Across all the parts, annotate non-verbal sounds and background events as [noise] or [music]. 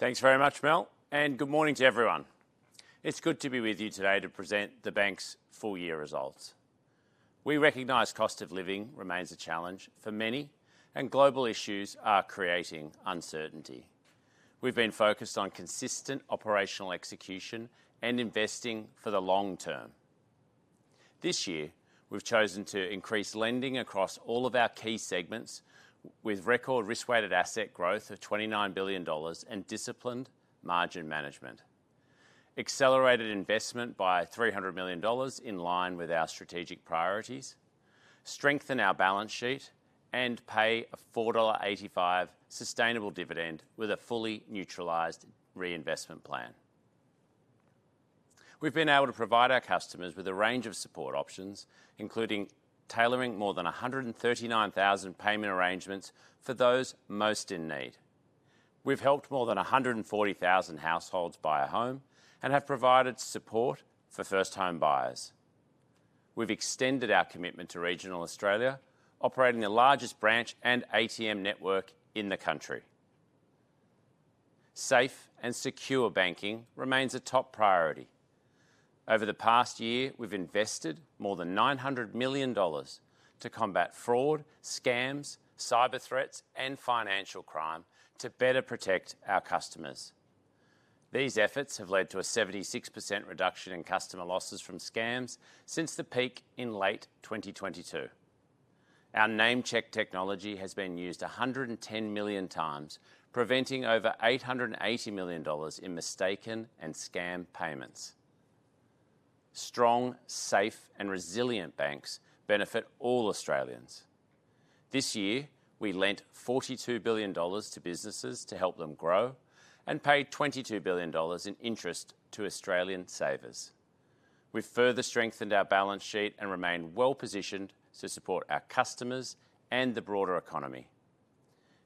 Thanks very much, Mel, and good morning to everyone. It's good to be with you today to present the bank's full-year results. We recognize cost of living remains a challenge for many, and global issues are creating uncertainty. We've been focused on consistent operational execution and investing for the long term. This year, we've chosen to increase lending across all of our key segments, with record risk-weighted asset growth of 29 billion dollars and disciplined margin management. Accelerated investment by 300 million dollars in line with our strategic priorities, strengthen our balance sheet, and pay a 4.85 dollar sustainable dividend with a fully neutralized reinvestment plan. We've been able to provide our customers with a range of support options, including tailoring more than 139,000 payment arrangements for those most in need. We've helped more than 140,000 households buy a home and have provided support for first home buyers We've extended our commitment to regional Australia, operating the largest branch and ATM network in the country. Safe and secure banking remains a top priority. Over the past year, we've invested more than 900 million dollars to combat fraud, scams, cyber threats, and financial crime to better protect our customers. These efforts have led to a 76% reduction in customer losses from scams since the peak in late 2022. Our name check technology has been used 110 million times, preventing over 880 million dollars in mistaken and scam payments. Strong, safe, and resilient banks benefit all Australians. This year, we lent 42 billion dollars to businesses to help them grow and paid 22 billion dollars in interest to Australian savers. We've further strengthened our balance sheet and remain well positioned to support our customers and the broader economy.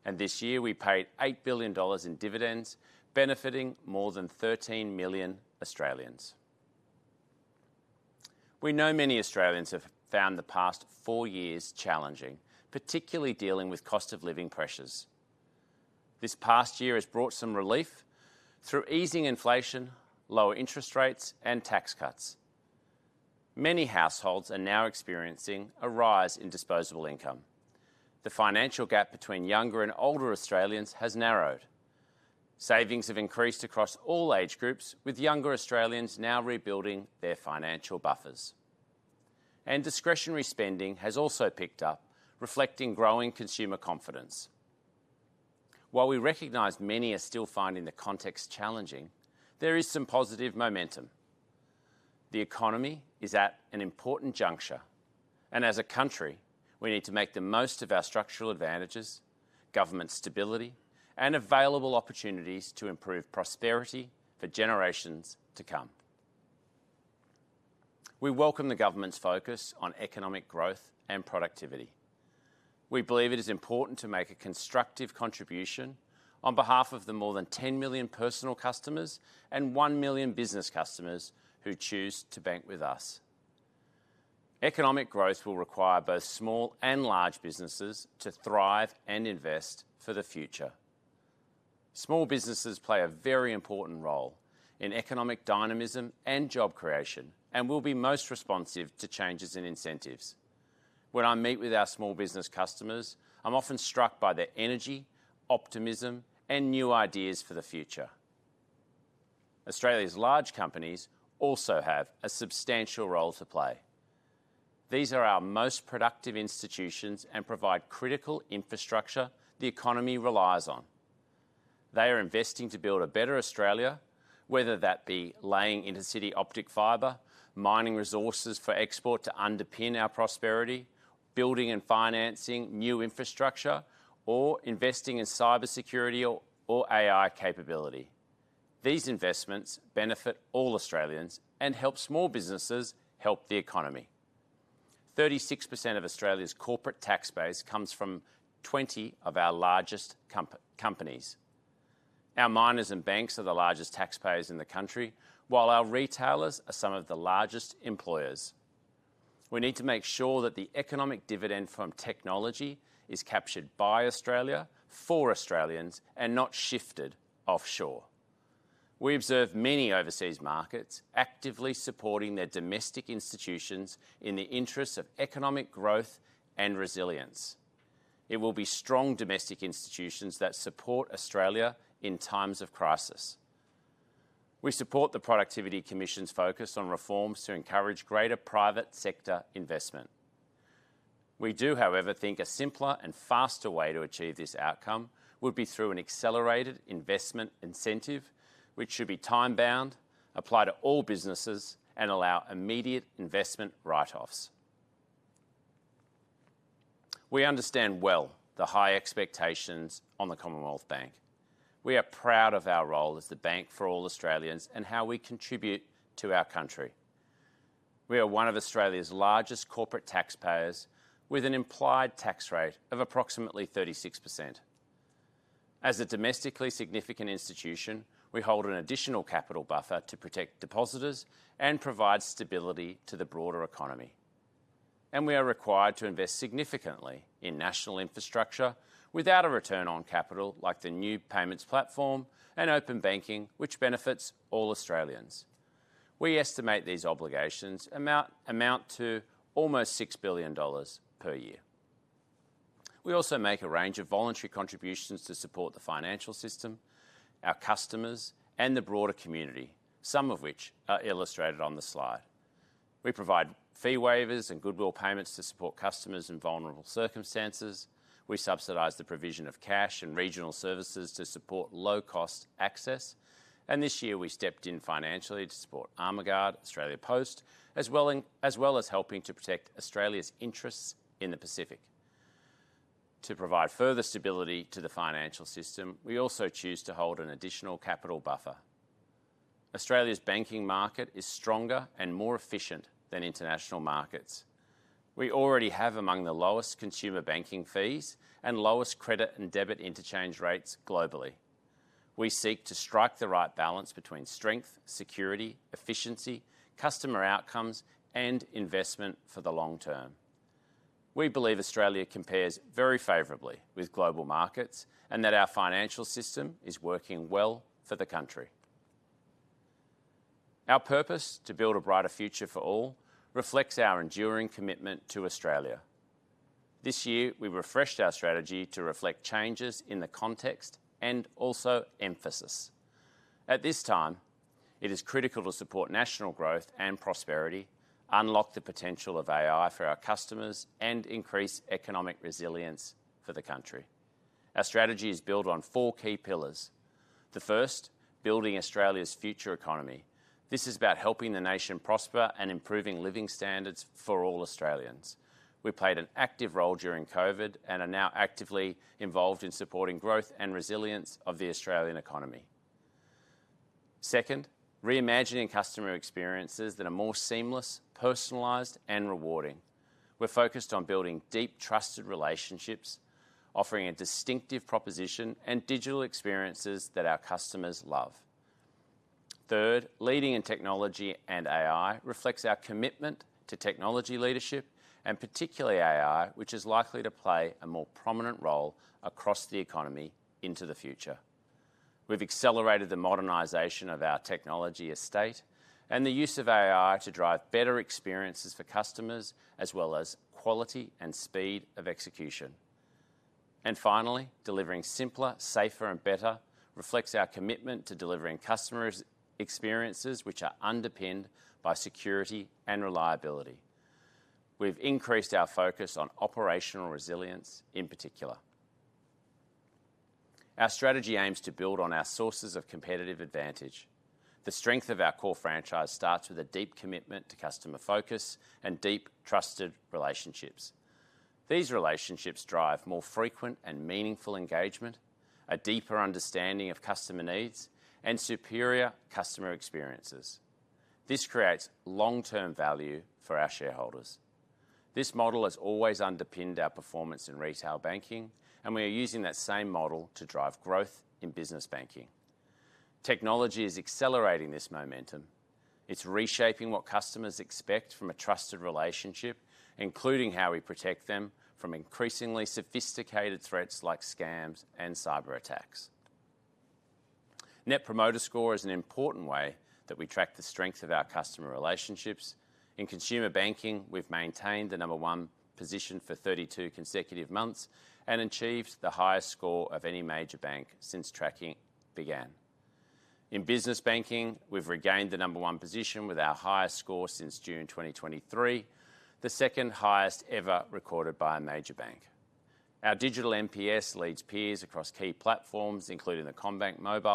This year, we paid 8 billion dollars in dividends, benefiting more than 13 million Australians. We know many Australians have found the past four years challenging, particularly dealing with cost of living pressures. This past year has brought some relief through easing inflation, lower interest rates, and tax cuts. Many households are now experiencing a rise in disposable income. The financial gap between younger and older Australians has narrowed. Savings have increased across all age groups, with younger Australians now rebuilding their financial buffers. Discretionary spending has also picked up, reflecting growing consumer confidence. While we recognize many are still finding the context challenging, there is some positive momentum. The economy is at an important juncture, and as a country, we need to make the most of our structural advantages, government stability, and available opportunities to improve prosperity for generations to come. We welcome the government's focus on economic growth and productivity. We believe it is important to make a constructive contribution on behalf of the more than 10 million personal customers and 1 million business customers who choose to bank with us. Economic growth will require both small and large businesses to thrive and invest for the future. Small businesses play a very important role in economic dynamism and job creation and will be most responsive to changes in incentives. When I meet with our small business customers, I'm often struck by their energy, optimism, and new ideas for the future. Australia's large companies also have a substantial role to play. These are our most productive institutions and provide critical infrastructure the economy relies on. They are investing to build a better Australia, whether that be laying intercity optic fiber, mining resources for export to underpin our prosperity, building and financing new infrastructure, or investing in cybersecurity or AI capability. These investments benefit all Australians and help small businesses help the economy. 36% of Australia's corporate tax base comes from 20 of our largest companies. Our miners and banks are the largest taxpayers in the country, while our retailers are some of the largest employers. We need to make sure that the economic dividend from technology is captured by Australia, for Australians, and not shifted offshore. We observe many overseas markets actively supporting their domestic institutions in the interests of economic growth and resilience. It will be strong domestic institutions that support Australia in times of crisis. We support the Productivity Commission's focus on reforms to encourage greater private sector investment. We do, however, think a simpler and faster way to achieve this outcome would be through an accelerated investment incentive, which should be time-bound, apply to all businesses, and allow immediate investment write-offs. We understand well the high expectations on the Commonwealth Bank of Australia. We are proud of our role as the Bank for All Australians and how we contribute to our country. We are one of Australia's largest corporate taxpayers, with an implied tax rate of approximately 36%. As a domestically significant institution, we hold an additional capital buffer to protect depositors and provide stability to the broader economy. We are required to invest significantly in national infrastructure without a return on capital, like the new payments platform and open banking, which benefits all Australians. We estimate these obligations amount to almost 6 billion dollars per year. We also make a range of voluntary contributions to support the financial system, our customers, and the broader community, some of which are illustrated on the slide. We provide fee waivers and goodwill payments to support customers in vulnerable circumstances. We subsidize the provision of cash and regional services to support low-cost access. This year, we stepped in financially to support Armaguard, Australia Post, as well as helping to protect Australia's interests in the Pacific. To provide further stability to the financial system, we also choose to hold an additional capital buffer. Australia's banking market is stronger and more efficient than international markets. We already have among the lowest consumer banking fees and lowest credit and debit interchange rates globally. We seek to strike the right balance between strength, security, efficiency, customer outcomes, and investment for the long term. We believe Australia compares very favorably with global markets and that our financial system is working well for the country. Our purpose to build a brighter future for all reflects our enduring commitment to Australia. This year, we refreshed our strategy to reflect changes in the context and also emphasis. At this time, it is critical to support national growth and prosperity, unlock the potential of AI for our customers, and increase economic resilience for the country. Our strategy is built on four key pillars. The first, building Australia's future economy. This is about helping the nation prosper and improving living standards for all Australians. We played an active role during COVID and are now actively involved in supporting growth and resilience of the Australian economy. Second, reimagining customer experiences that are more seamless, personalized, and rewarding. We're focused on building deep, trusted relationships, offering a distinctive proposition and digital experiences that our customers love. Third, leading in technology and AI reflects our commitment to technology leadership and particularly AI, which is likely to play a more prominent role across the economy into the future. We've accelerated the modernization of our technology estate and the use of AI to drive better experiences for customers, as well as quality and speed of execution. Finally, delivering simpler, safer, and better reflects our commitment to delivering customer experiences which are underpinned by security and reliability. We've increased our focus on operational resilience in particular. Our strategy aims to build on our sources of competitive advantage. The strength of our core franchise starts with a deep commitment to customer focus and deep, trusted relationships. These relationships drive more frequent and meaningful engagement, a deeper understanding of customer needs, and superior customer experiences. This creates long-term value for our shareholders. This model has always underpinned our performance in retail banking, and we are using that same model to drive growth in business banking. Technology is accelerating this momentum. It's reshaping what customers expect from a trusted relationship, including how we protect them from increasingly sophisticated threats like scams and cyber attacks. Net Promoter Score is an important way that we track the strength of our customer relationships. In consumer banking, we've maintained the number one position for 32 consecutive months and achieved the highest score of any major bank since tracking began. In business banking, we've regained the number one position with our highest score since June 2023, the second highest ever recorded by a major bank. Our digital NPS leads peers across key platforms, including the CommBank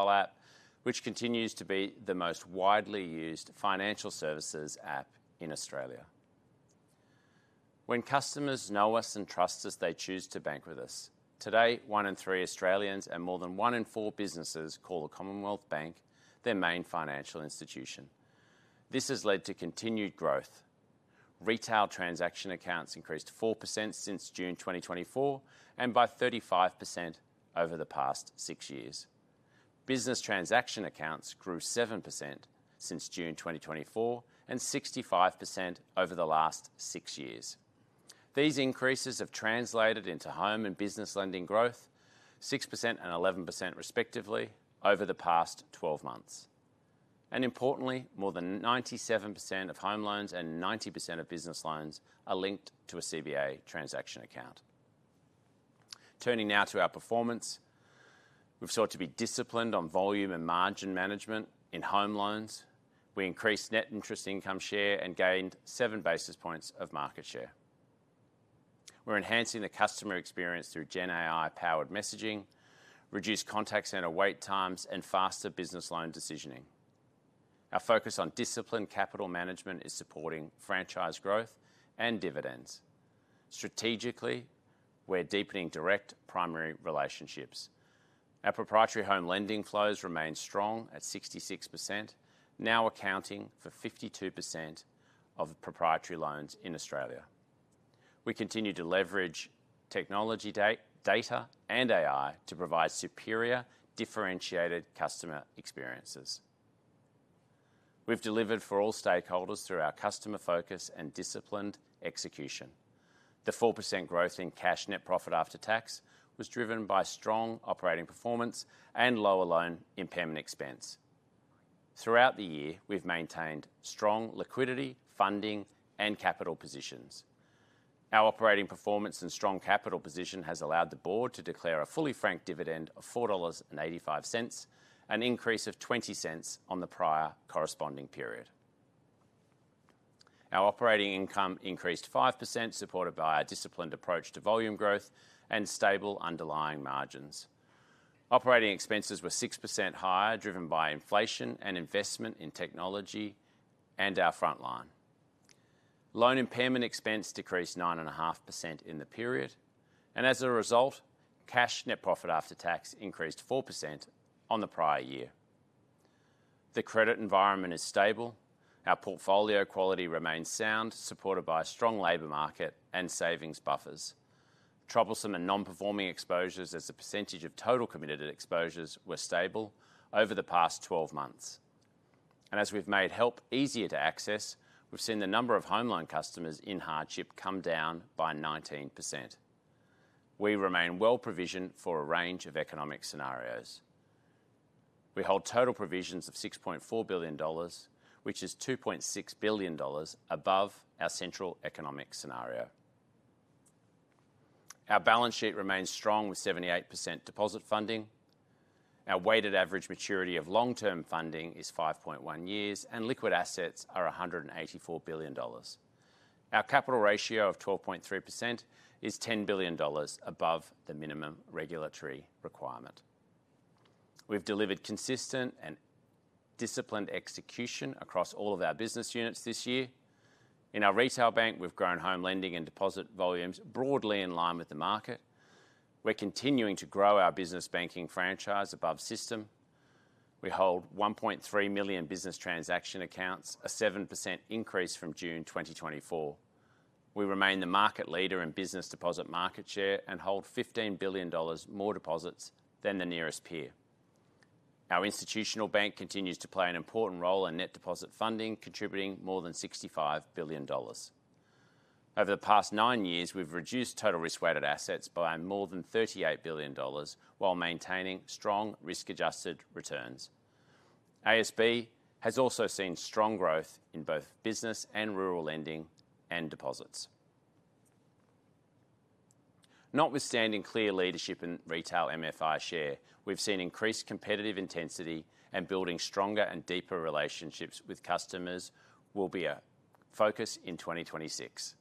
app, which continues to be the most widely used financial services app in Australia. When customers know us and trust us, they choose to bank with us. Today, one in three Australians and more than one in four businesses call the Commonwealth Bank of Australia their main financial institution. This has led to continued growth. Retail transaction accounts increased 4% since June 2024 and by 35% over the past six years. Business transaction accounts grew 7% since June 2024 and 65% over the last six years. These increases have translated into home and business lending growth, 6% and 11% respectively, over the past 12 months. Importantly, more than 97% of home loans and 90% of business loans are linked to a CBA transaction account. Turning now to our performance, we've sought to be disciplined on volume and margin management in home loans. We increased net interest income share and gained seven basis points of market share. We're enhancing the customer experience through GenAI-powered messaging, reduced contact center wait times, and faster business loan decisioning. Our focus on disciplined capital management is supporting franchise growth and dividends. Strategically, we're deepening direct primary relationships. Our proprietary home lending flows remain strong at 66%, now accounting for 52% of proprietary loans in Australia. We continue to leverage technology, data, and AI to provide superior, differentiated customer experiences. We've delivered for all stakeholders through our customer focus and disciplined execution. The 4% growth in cash net profit after tax was driven by strong operating performance and lower loan impairment expense. Throughout the year, we've maintained strong liquidity, funding, and capital positions. Our operating performance and strong capital position has allowed the board to declare a fully franked dividend of 4.85 dollars, an increase of 0.20 on the prior corresponding period. Our operating income increased 5%, supported by a disciplined approach to volume growth and stable underlying margins. Operating expenses were 6% higher, driven by inflation and investment in technology and our frontline. Loan impairment expense decreased 9.5% in the period, and as a result, cash net profit after tax increased 4% on the prior year. The credit environment is stable. Our portfolio quality remains sound, supported by a strong labor market and savings buffers. Troublesome and non-performing exposures, as a percentage of total committed exposures, were stable over the past 12 months. As we've made help easier to access, we've seen the number of home loan customers in hardship come down by 19%. We remain well provisioned for a range of economic scenarios. We hold total provisions of 6.4 billion dollars, which is 2.6 billion dollars above our central economic scenario. Our balance sheet remains strong with 78% deposit funding. Our weighted average maturity of long-term funding is 5.1 years, and liquid assets are 184 billion dollars. Our capital ratio of 12.3% is 10 billion dollars above the minimum regulatory requirement. We've delivered consistent and disciplined execution across all of our business units this year. In our retail bank, we've grown home lending and deposit volumes broadly in line with the market. We're continuing to grow our business banking franchise above system. We hold 1.3 million business transaction accounts, a 7% increase from June 2024. We remain the market leader in business deposit market share and hold 15 billion dollars more deposits than the nearest peer. Our institutional bank continues to play an important role in net deposit funding, contributing more than 65 billion dollars. Over the past nine years, we've reduced total risk-weighted assets by more than 38 billion dollars while maintaining strong risk-adjusted returns. ASB Bank has also seen strong growth in both business and rural lending and deposits. Notwithstanding clear leadership in retail MFI share, we've seen increased competitive intensity and building stronger and deeper relationships with customers will be a focus in 2026.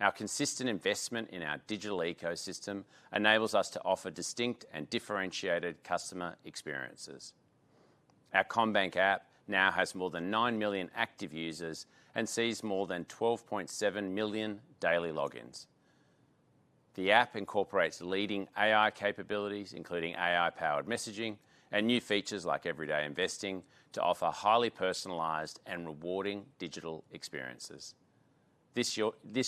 Our consistent investment in our digital ecosystem enables us to offer distinct and differentiated customer experiences. Our CommBank app now has more than 9 million active users and sees more than 12.7 million daily logins. The app incorporates leading AI capabilities, including AI-powered messaging and new features like everyday investing to offer highly personalized and rewarding digital experiences. This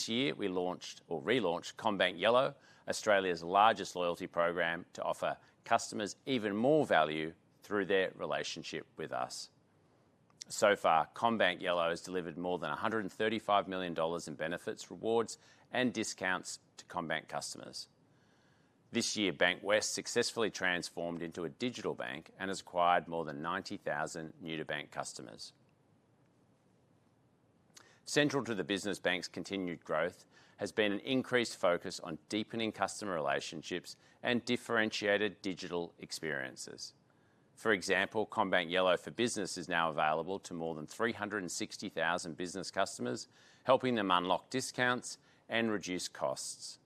year, we launched or relaunched CommBank Yellow, Australia's largest loyalty program, to offer customers even more value through their relationship with us. CommBank Yellow has delivered more than 135 million dollars in benefits, rewards, and discounts to CommBank customers. This year, Bankwest successfully transformed into a digital bank and has acquired more than 90,000 new-to-bank customers. Central to the business bank's continued growth has been an increased focus on deepening customer relationships and differentiated digital experiences. For example, CommBank Yellow for Business is now available to more than 360,000 business customers, helping them unlock discounts and reduce costs.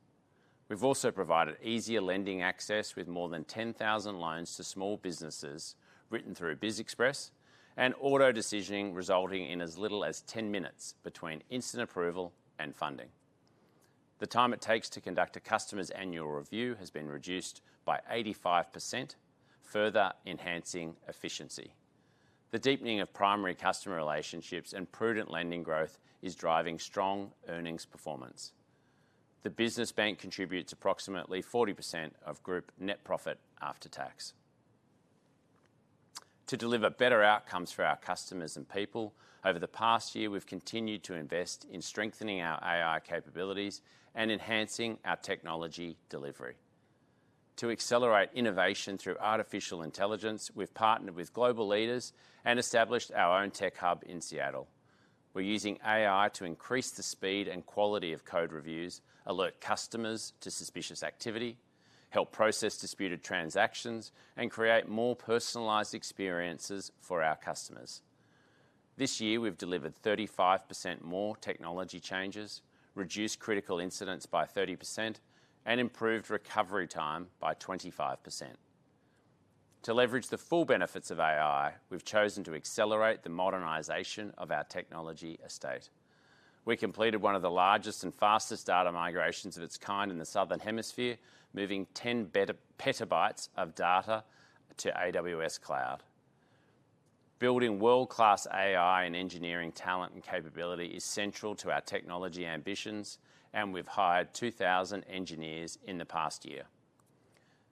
We've also provided easier lending access with more than 10,000 loans to small businesses written through BizExpress and auto-decisioning, resulting in as little as 10 minutes between instant approval and funding. The time it takes to conduct a customer's annual review has been reduced by 85%, further enhancing efficiency. The deepening of primary customer relationships and prudent lending growth is driving strong earnings performance. The business bank contributes approximately 40% of group net profit after tax. To deliver better outcomes for our customers and people, over the past year, we've continued to invest in strengthening our AI capabilities and enhancing our technology delivery. To accelerate innovation through artificial intelligence, we've partnered with global leaders and established our own tech hub in Seattle. We're using AI to increase the speed and quality of code reviews, alert customers to suspicious activity, help process disputed transactions, and create more personalized experiences for our customers. This year, we've delivered 35% more technology changes, reduced critical incidents by 30%, and improved recovery time by 25%. To leverage the full benefits of AI, we've chosen to accelerate the modernization of our technology estate. We completed one of the largest and fastest data migrations of its kind in the Southern Hemisphere, moving 10 PB of data to AWS Cloud. Building world-class AI and engineering talent and capability is central to our technology ambitions, and we've hired 2,000 engineers in the past year.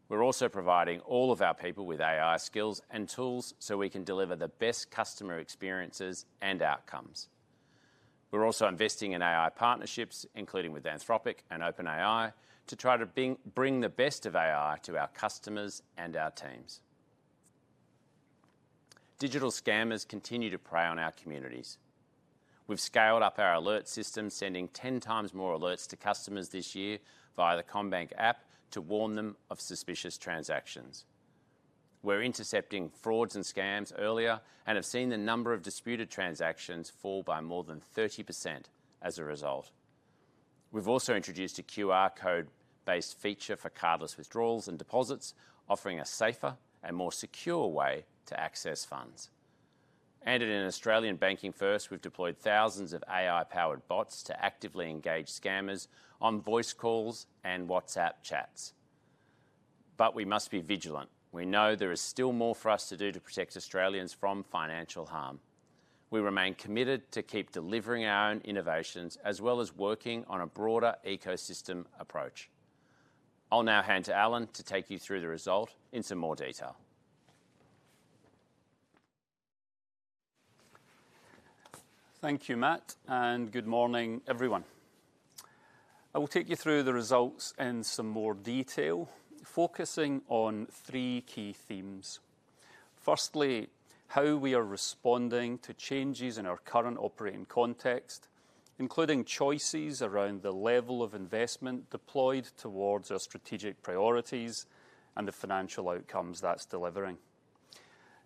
We're also providing all of our people with AI skills and tools so we can deliver the best customer experiences and outcomes. We're also investing in AI partnerships, including with Anthropic and OpenAI, to try to bring the best of AI to our customers and our teams. Digital scammers continue to prey on our communities. We've scaled up our alert system, sending 10 times more alerts to customers this year via the CommBank app to warn them of suspicious transactions. We're intercepting frauds and scams earlier and have seen the number of disputed transactions fall by more than 30% as a result. We've also introduced a QR code-based feature for cardless withdrawals and deposits, offering a safer and more secure way to access funds. In an Australian banking first, we've deployed thousands of AI-powered bots to actively engage scammers on voice calls and WhatsApp chats. We must be vigilant. We know there is still more for us to do to protect Australians from financial harm. We remain committed to keep delivering our own innovations, as well as working on a broader ecosystem approach. I'll now hand to Alan to take you through the result in some more detail. Thank you, Matt, and good morning, everyone. I will take you through the results in some more detail, focusing on three key themes. Firstly, how we are responding to changes in our current operating context, including choices around the level of investment deployed towards our strategic priorities and the financial outcomes that's delivering.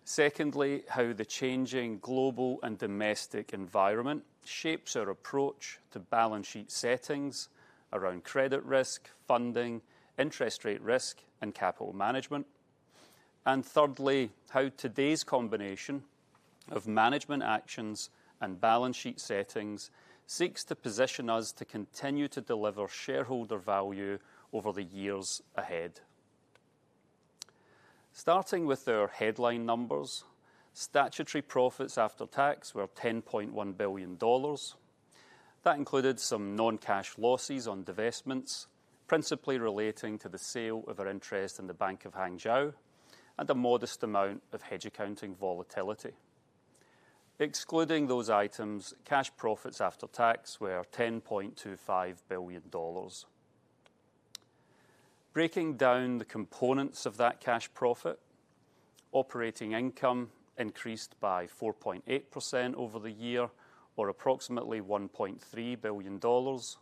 Secondly, how the changing global and domestic environment shapes our approach to balance sheet settings around credit risk, funding, interest rate risk, and capital management. Thirdly, how today's combination of management actions and balance sheet settings seeks to position us to continue to deliver shareholder value over the years ahead. Starting with our headline numbers, statutory profits after tax were 10.1 billion dollars. That included some non-cash losses on divestments, principally relating to the sale of our interest in the Bank of Hangzhou, and a modest amount of hedge accounting volatility. Excluding those items, cash profits after tax were 10.25 billion dollars. Breaking down the components of that cash profit, operating income increased by 4.8% over the year, or approximately 1.3 billion dollars.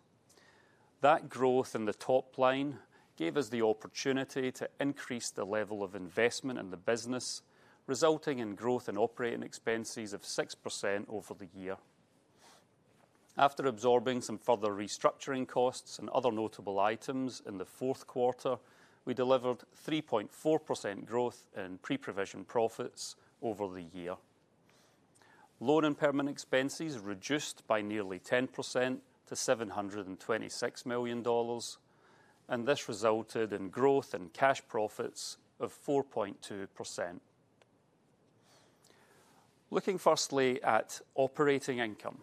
That growth in the top line gave us the opportunity to increase the level of investment in the business, resulting in growth in operating expenses of 6% over the year. After absorbing some further restructuring costs and other notable items in the fourth quarter, we delivered 3.4% growth in pre-provision profits over the year. Loan impairment expenses reduced by nearly 10% to 726 million dollars, and this resulted in growth in cash profits of 4.2%. Looking firstly at operating income,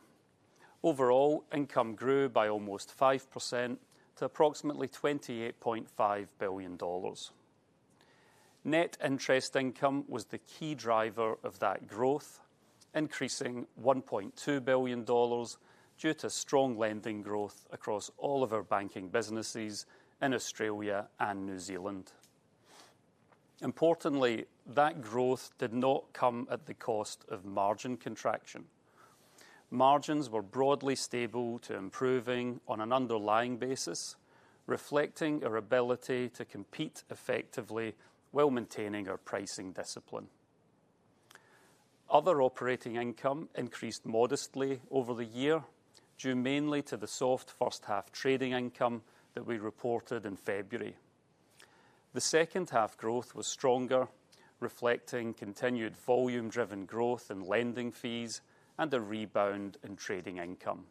overall income grew by almost 5% to approximately 28.5 billion dollars. Net interest income was the key driver of that growth, increasing 1.2 billion dollars due to strong lending growth across all of our banking businesses in Australia and New Zealand. Importantly, that growth did not come at the cost of margin contraction. Margins were broadly stable to improving on an underlying basis, reflecting our ability to compete effectively while maintaining our pricing discipline. Other operating income increased modestly over the year, due mainly to the soft first-half trading income that we reported in February. The second-half growth was stronger, reflecting continued volume-driven growth in lending fees and a rebound in trading income.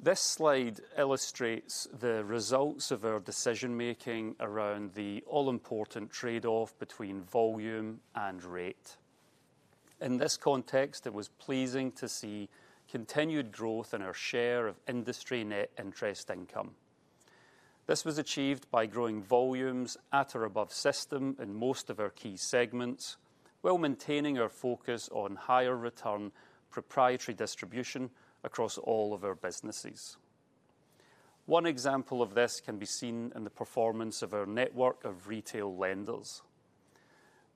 This slide illustrates the results of our decision-making around the all-important trade-off between volume and rate. In this context, it was pleasing to see continued growth in our share of industry net interest income. This was achieved by growing volumes at or above system in most of our key segments, while maintaining our focus on higher return proprietary distribution across all of our businesses. One example of this can be seen in the performance of our network of retail lenders.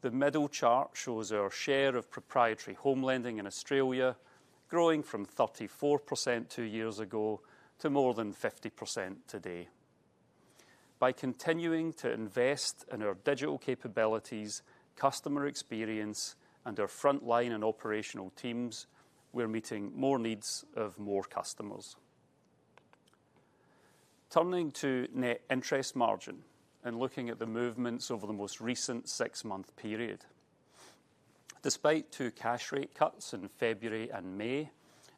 The middle chart shows our share of proprietary home lending in Australia growing from 34% two years ago to more than 50% today. By continuing to invest in our digital capabilities, customer experience, and our frontline and operational teams, we're meeting more needs of more customers. Turning to net interest margin and looking at the movements over the most recent six-month period. Despite two cash rate cuts in February and May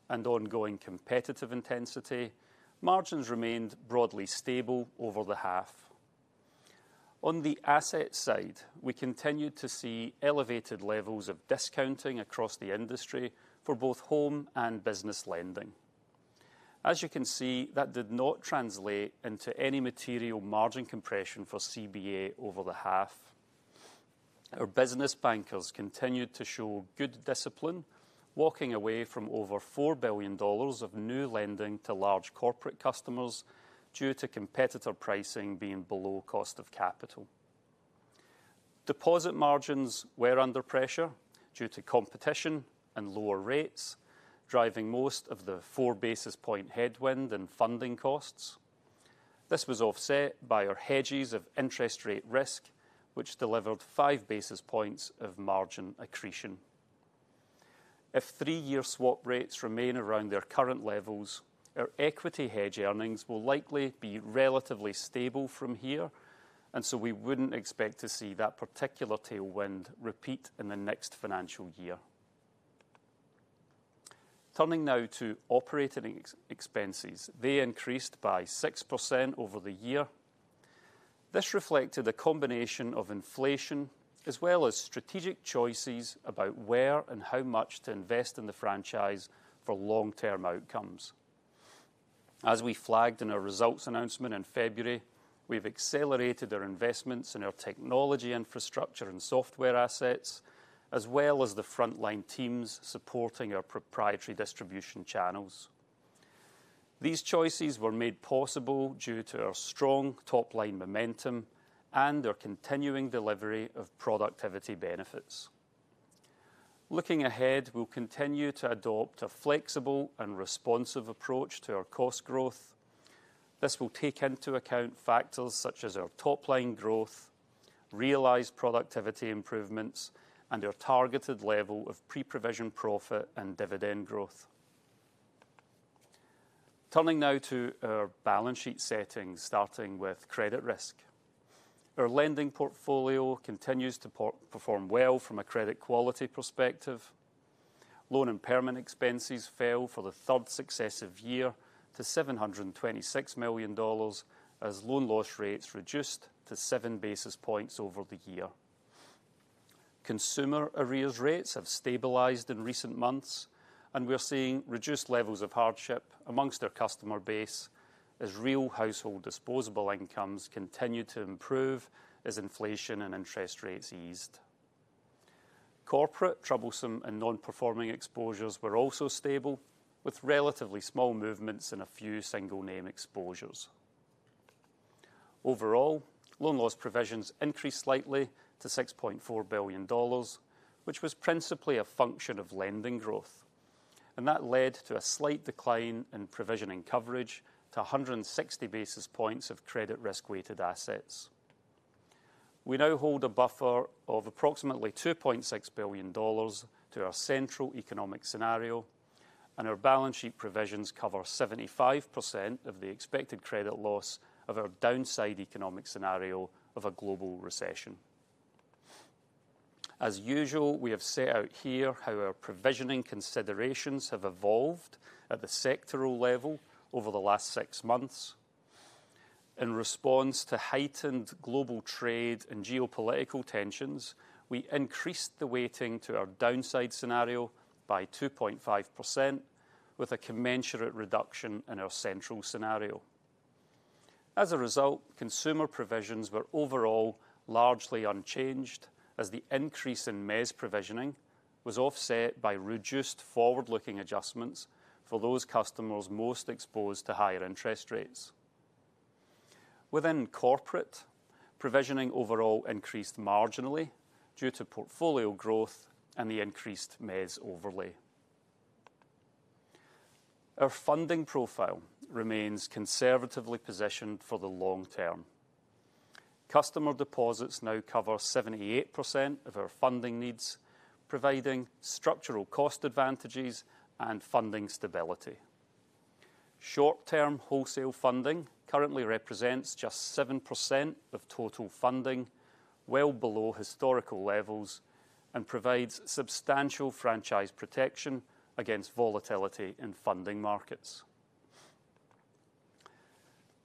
and ongoing competitive intensity, margins remained broadly stable over the half. On the asset side, we continued to see elevated levels of discounting across the industry for both home and business lending. As you can see, that did not translate into any material margin compression for Commonwealth Bank of Australia over the half. Our business bankers continued to show good discipline, walking away from over 4 billion dollars of new lending to large corporate customers due to competitor pricing being below cost of capital. Deposit margins were under pressure due to competition and lower rates, driving most of the four basis point headwind in funding costs. This was offset by our hedges of interest rate risk, which delivered five basis points of margin accretion. If three-year swap rates remain around their current levels, our equity hedge earnings will likely be relatively stable from here, and we wouldn't expect to see that particular tailwind repeat in the next financial year. Turning now to operating expenses, they increased by 6% over the year. This reflected a combination of inflation as well as strategic choices about where and how much to invest in the franchise for long-term outcomes. As we flagged in our results announcement in February, we've accelerated our investments in our technology infrastructure and software assets, as well as the frontline teams supporting our proprietary distribution channels. These choices were made possible due to our strong top-line momentum and our continuing delivery of productivity benefits. Looking ahead, we'll continue to adopt a flexible and responsive approach to our cost growth. This will take into account factors such as our top-line growth, realized productivity improvements, and our targeted level of pre-provision profit and dividend growth. Turning now to our balance sheet settings, starting with credit risk. Our lending portfolio continues to perform well from a credit quality perspective. Loan impairment expenses fell for the third successive year to 726 million dollars, as loan loss rates reduced to 7 basis points over the year. Consumer arrears rates have stabilized in recent months, and we're seeing reduced levels of hardship amongst our customer base, as real household disposable incomes continue to improve as inflation and interest rates eased. Corporate troublesome and non-performing exposures were also stable, with relatively small movements in a few single-name exposures. Overall, loan loss provisions increased slightly to 6.4 billion dollars, which was principally a function of lending growth, and that led to a slight decline in provisioning coverage to 160 basis points of credit risk-weighted assets. We now hold a buffer of approximately 2.6 billion dollars to our central economic scenario, and our balance sheet provisions cover 75% of the expected credit loss of our downside economic scenario of a global recession. As usual, we have set out here how our provisioning considerations have evolved at the sectoral level over the last six months. In response to heightened global trade and geopolitical tensions, we increased the weighting to our downside scenario by 2.5%, with a commensurate reduction in our central scenario. As a result, consumer provisions were overall largely unchanged, as the increase in mezz provisioning was offset by reduced forward-looking adjustments for those customers most exposed to higher interest rates. Within corporate, provisioning overall increased marginally due to portfolio growth and the increased mezz overlay. Our funding profile remains conservatively positioned for the long term. Customer deposits now cover 78% of our funding needs, providing structural cost advantages and funding stability. Short-term wholesale funding currently represents just 7% of total funding, well below historical levels, and provides substantial franchise protection against volatility in funding markets.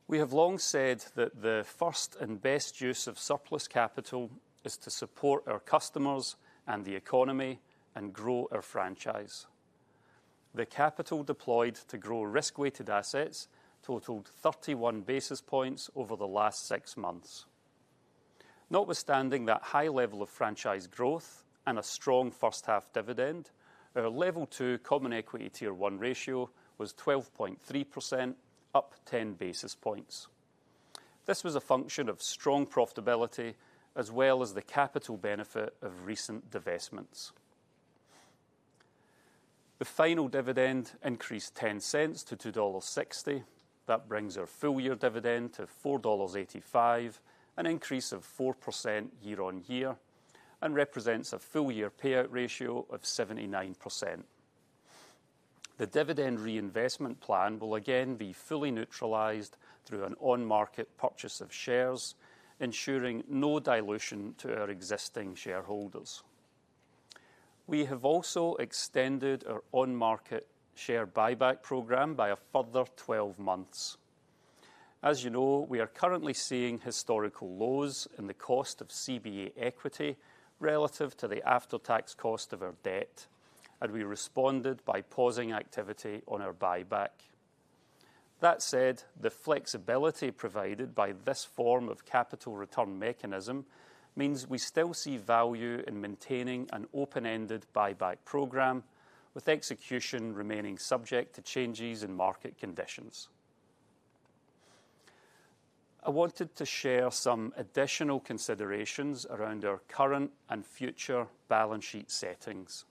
We have long said that the first and best use of surplus capital is to support our customers and the economy and grow our franchise. The capital deployed to grow risk-weighted assets totaled 31 basis points over the last six months. Notwithstanding that high level of franchise growth and a strong first-half dividend, our Level 2 Common Equity Tier 1 ratio was 12.3%, up 10 basis points. This was a function of strong profitability, as well as the capital benefit of recent divestments. The final dividend increased 0.10 to 2.60 dollar. That brings our full-year dividend to 4.85 dollars, an increase of 4% year-on-year, and represents a full-year payout ratio of 79%. The dividend reinvestment plan will again be fully neutralized through an on-market purchase of shares, ensuring no dilution to our existing shareholders. We have also extended our on-market share buyback program by a further 12 months. As you know, we are currently seeing historical lows in the cost of CBA equity relative to the after-tax cost of our debt, and we responded by pausing activity on our buyback. That said, the flexibility provided by this form of capital return mechanism means we still see value in maintaining an open-ended buyback program, with execution remaining subject to changes in market conditions. I wanted to share some additional considerations around our current and future balance sheet settings.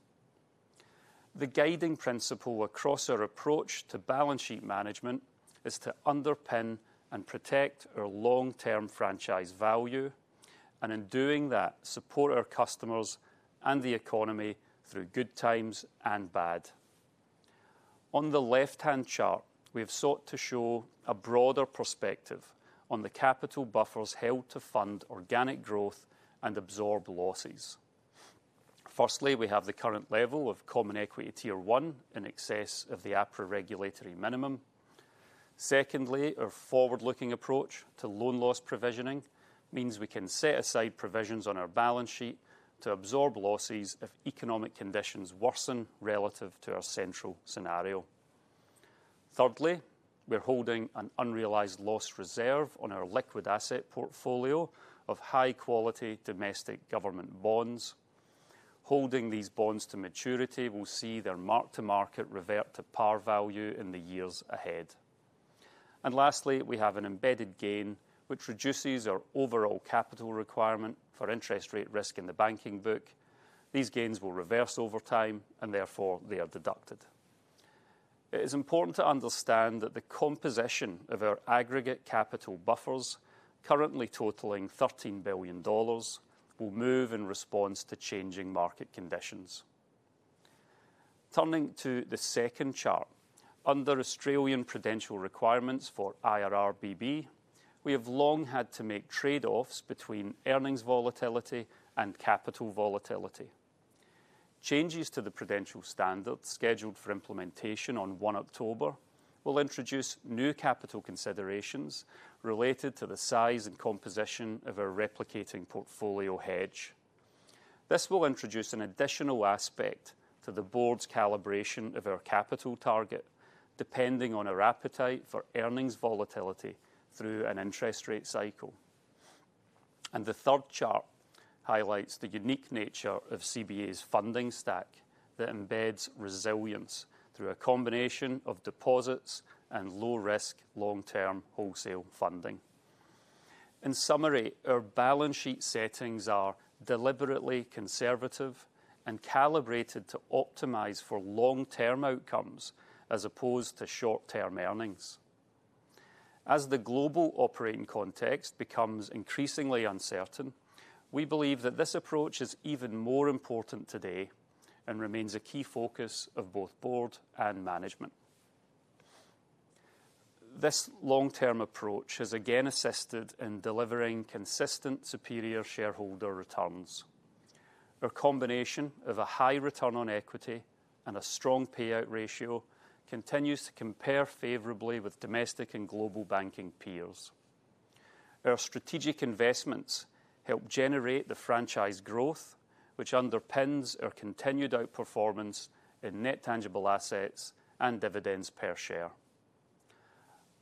The guiding principle across our approach to balance sheet management is to underpin and protect our long-term franchise value, and in doing that, support our customers and the economy through good times and bad. On the left-hand chart, we've sought to show a broader perspective on the capital buffers held to fund organic growth and absorb losses. Firstly, we have the current level of Common Equity Tier 1 in excess of the APRA regulatory minimum. Secondly, our forward-looking approach to loan loss provisioning means we can set aside provisions on our balance sheet to absorb losses if economic conditions worsen relative to our central scenario. Thirdly, we're holding an unrealized loss reserve on our liquid asset portfolio of high-quality domestic government bonds. Holding these bonds to maturity will see their mark-to-market revert to par value in the years ahead. Lastly, we have an embedded gain, which reduces our overall capital requirement for interest rate risk in the banking book. These gains will reverse over time, and therefore they are deducted. It is important to understand that the composition of our aggregate capital buffers, currently totaling 13 billion dollars, will move in response to changing market conditions. Turning to the second chart, under Australian credential requirements for IRRBB, we have long had to make trade-offs between earnings volatility and capital volatility. Changes to the credential standard scheduled for implementation on October 1 will introduce new capital considerations related to the size and composition of our replicating portfolio hedge. This will introduce an additional aspect to the Board's calibration of our capital target, depending on our appetite for earnings volatility through an interest rate cycle. The third chart highlights the unique nature of Commonwealth Bank of Australia's funding stack that embeds resilience through a combination of deposits and low-risk long-term wholesale funding. In summary, our balance sheet settings are deliberately conservative and calibrated to optimize for long-term outcomes as opposed to short-term earnings. As the global operating context becomes increasingly uncertain, we believe that this approach is even more important today and remains a key focus of both Board and management. This long-term approach has again assisted in delivering consistent superior shareholder returns. Our combination of a high return on equity and a strong payout ratio continues to compare favorably with domestic and global banking peers. Our strategic investments help generate the franchise growth, which underpins our continued outperformance in net tangible assets and dividends per share.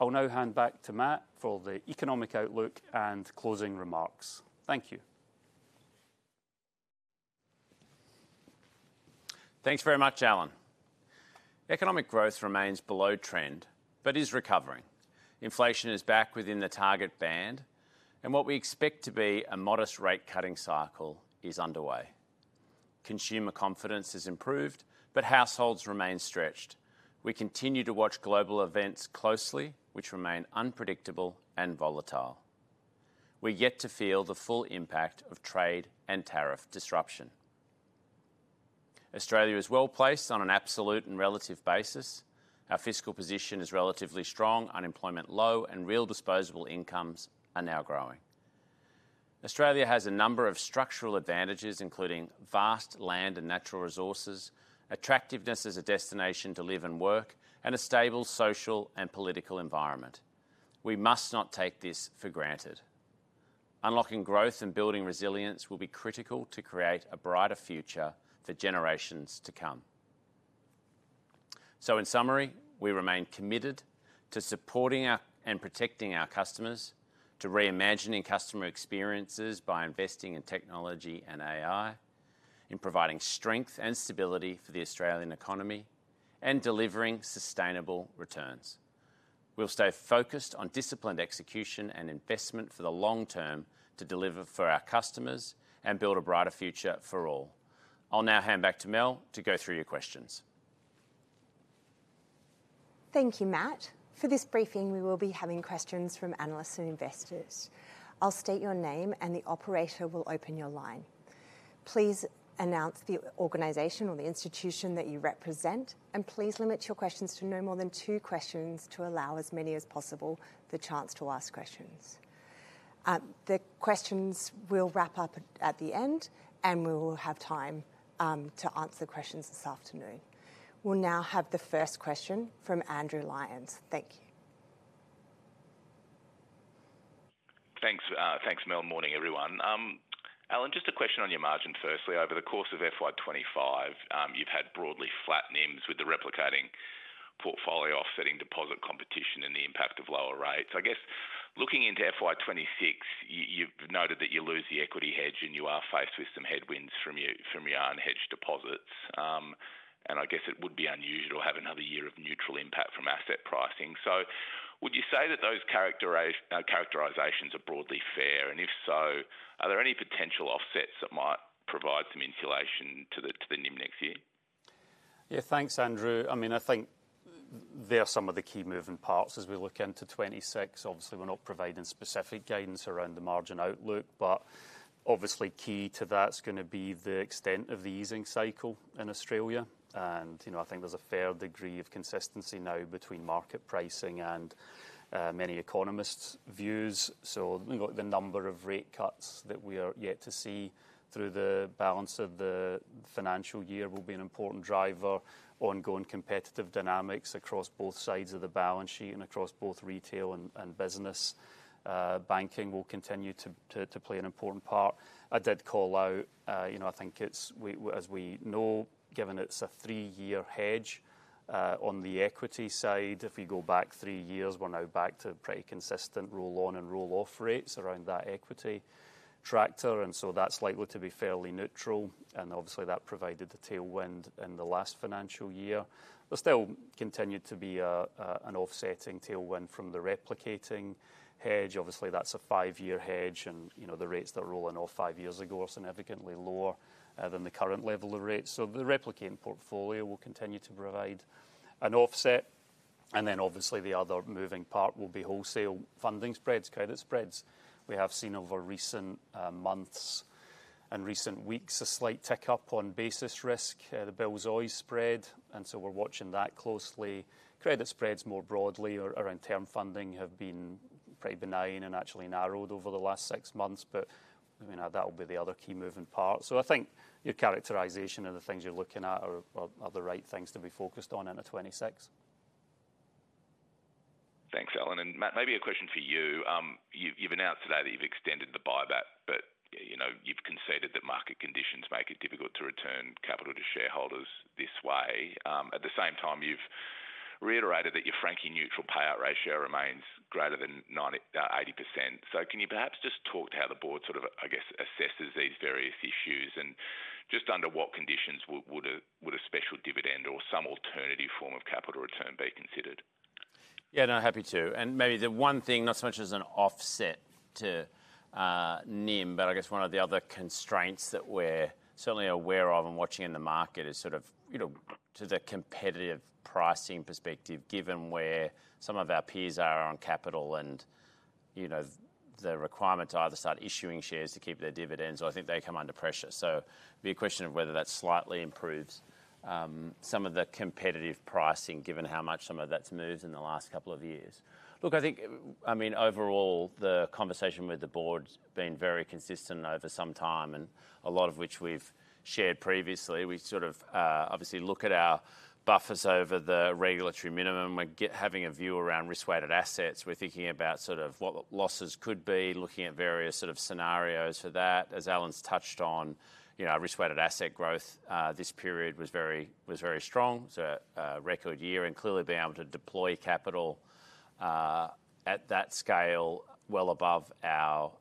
I'll now hand back to Matt for the economic outlook and closing remarks. Thank you. Thanks very much, Alan. Economic growth remains below trend, but it is recovering. Inflation is back within the target band, and what we expect to be a modest rate cutting cycle is underway. Consumer confidence has improved, but households remain stretched. We continue to watch global events closely, which remain unpredictable and volatile. We're yet to feel the full impact of trade and tariff disruption. Australia is well placed on an absolute and relative basis. Our fiscal position is relatively strong, unemployment is low, and real disposable incomes are now growing. Australia has a number of structural advantages, including vast land and natural resources, attractiveness as a destination to live and work, and a stable social and political environment. We must not take this for granted. Unlocking growth and building resilience will be critical to create a brighter future for generations to come. In summary, we remain committed to supporting and protecting our customers, to reimagining customer experiences by investing in technology and AI, in providing strength and stability for the Australian economy, and delivering sustainable returns. We'll stay focused on disciplined execution and investment for the long term to deliver for our customers and build a brighter future for all. I'll now hand back to Mel to go through your questions. Thank you, Matt. For this briefing, we will be having questions from analysts and investors. I'll state your name and the operator will open your line. Please announce the organization or the institution that you represent, and please limit your questions to no more than two questions to allow as many as possible the chance to ask questions. The questions will wrap up at the end, and we will have time to answer questions this afternoon. We'll now have the first question from Andrew Lyons. Thank you. Thanks, thanks, Mel. Morning, everyone. Alan, just a question on your margin firstly. Over the course of FY 2025, you've had broadly flat NIMs with the replicating portfolio offsetting deposit competition and the impact of lower rates. I guess looking into FY 2026, you've noted that you lose the equity hedge and you are faced with some headwinds from your unhedged deposits. I guess it would be unusual to have another year of neutral impact from asset pricing. Would you say that those characterizations are broadly fair? If so, are there any potential offsets that might provide some insulation to the NIM next year? Yeah, thanks, Andrew. I think there are some of the key moving parts as we look into 2026. Obviously, we're not providing specific guidance around the margin outlook, but key to that is going to be the extent of the easing cycle in Australia. I think there's a fair degree of consistency now between market pricing and many economists' views. The number of rate cuts that we are yet to see through the balance of the financial year will be an important driver. Ongoing competitive dynamics across both sides of the balance sheet and across both retail and business banking will continue to play an important part. I did call out, as we know, given it's a three-year hedge on the equity side, if we go back three years, we're now back to pretty consistent roll-on and roll-off rates around that equity tractor. That's likely to be fairly neutral. Obviously, that provided the tailwind in the last financial year. There still continued to be an offsetting tailwind from the replicating hedge. That's a five-year hedge and the rates that are rolling off five years ago are significantly lower than the current level of rates. The replicating portfolio will continue to provide an offset. The other moving part will be wholesale funding spreads, credit spreads. We have seen over recent months and recent weeks a slight tick up on basis risk. The bill's OIS spread. We're watching that closely. Credit spreads more broadly around term funding have been pretty benign and actually narrowed over the last six months. That will be the other key moving part. I think your characterisation and the things you're looking at are the right things to be focused on in 2026. Thanks, Alan. Matt, maybe a question for you. You've announced today that you've extended the buyback, but you've conceded that market conditions make it difficult to return capital to shareholders this way. At the same time, you've reiterated that your frankly neutral payout ratio remains greater than 80%. Can you perhaps just talk to how the board sort of assesses these various issues and just under what conditions would a special dividend or some alternative form of capital return be considered? Yeah, no, happy to. Maybe the one thing, not so much as an offset to NIM, but I guess one of the other constraints that we're certainly aware of and watching in the market is, from the competitive pricing perspective, given where some of our peers are on capital and the requirement to either start issuing shares to keep their dividends, or I think they come under pressure. It'd be a question of whether that slightly improves some of the competitive pricing given how much some of that's moved in the last couple of years. Look, I think, overall, the conversation with the board's been very consistent over some time, and a lot of which we've shared previously. We obviously look at our buffers over the regulatory minimum. We're having a view around risk-weighted assets. We're thinking about what losses could be, looking at various scenarios for that. As Alan's touched on, our risk-weighted asset growth this period was very strong. It was a record year and clearly being able to deploy capital at that scale well above our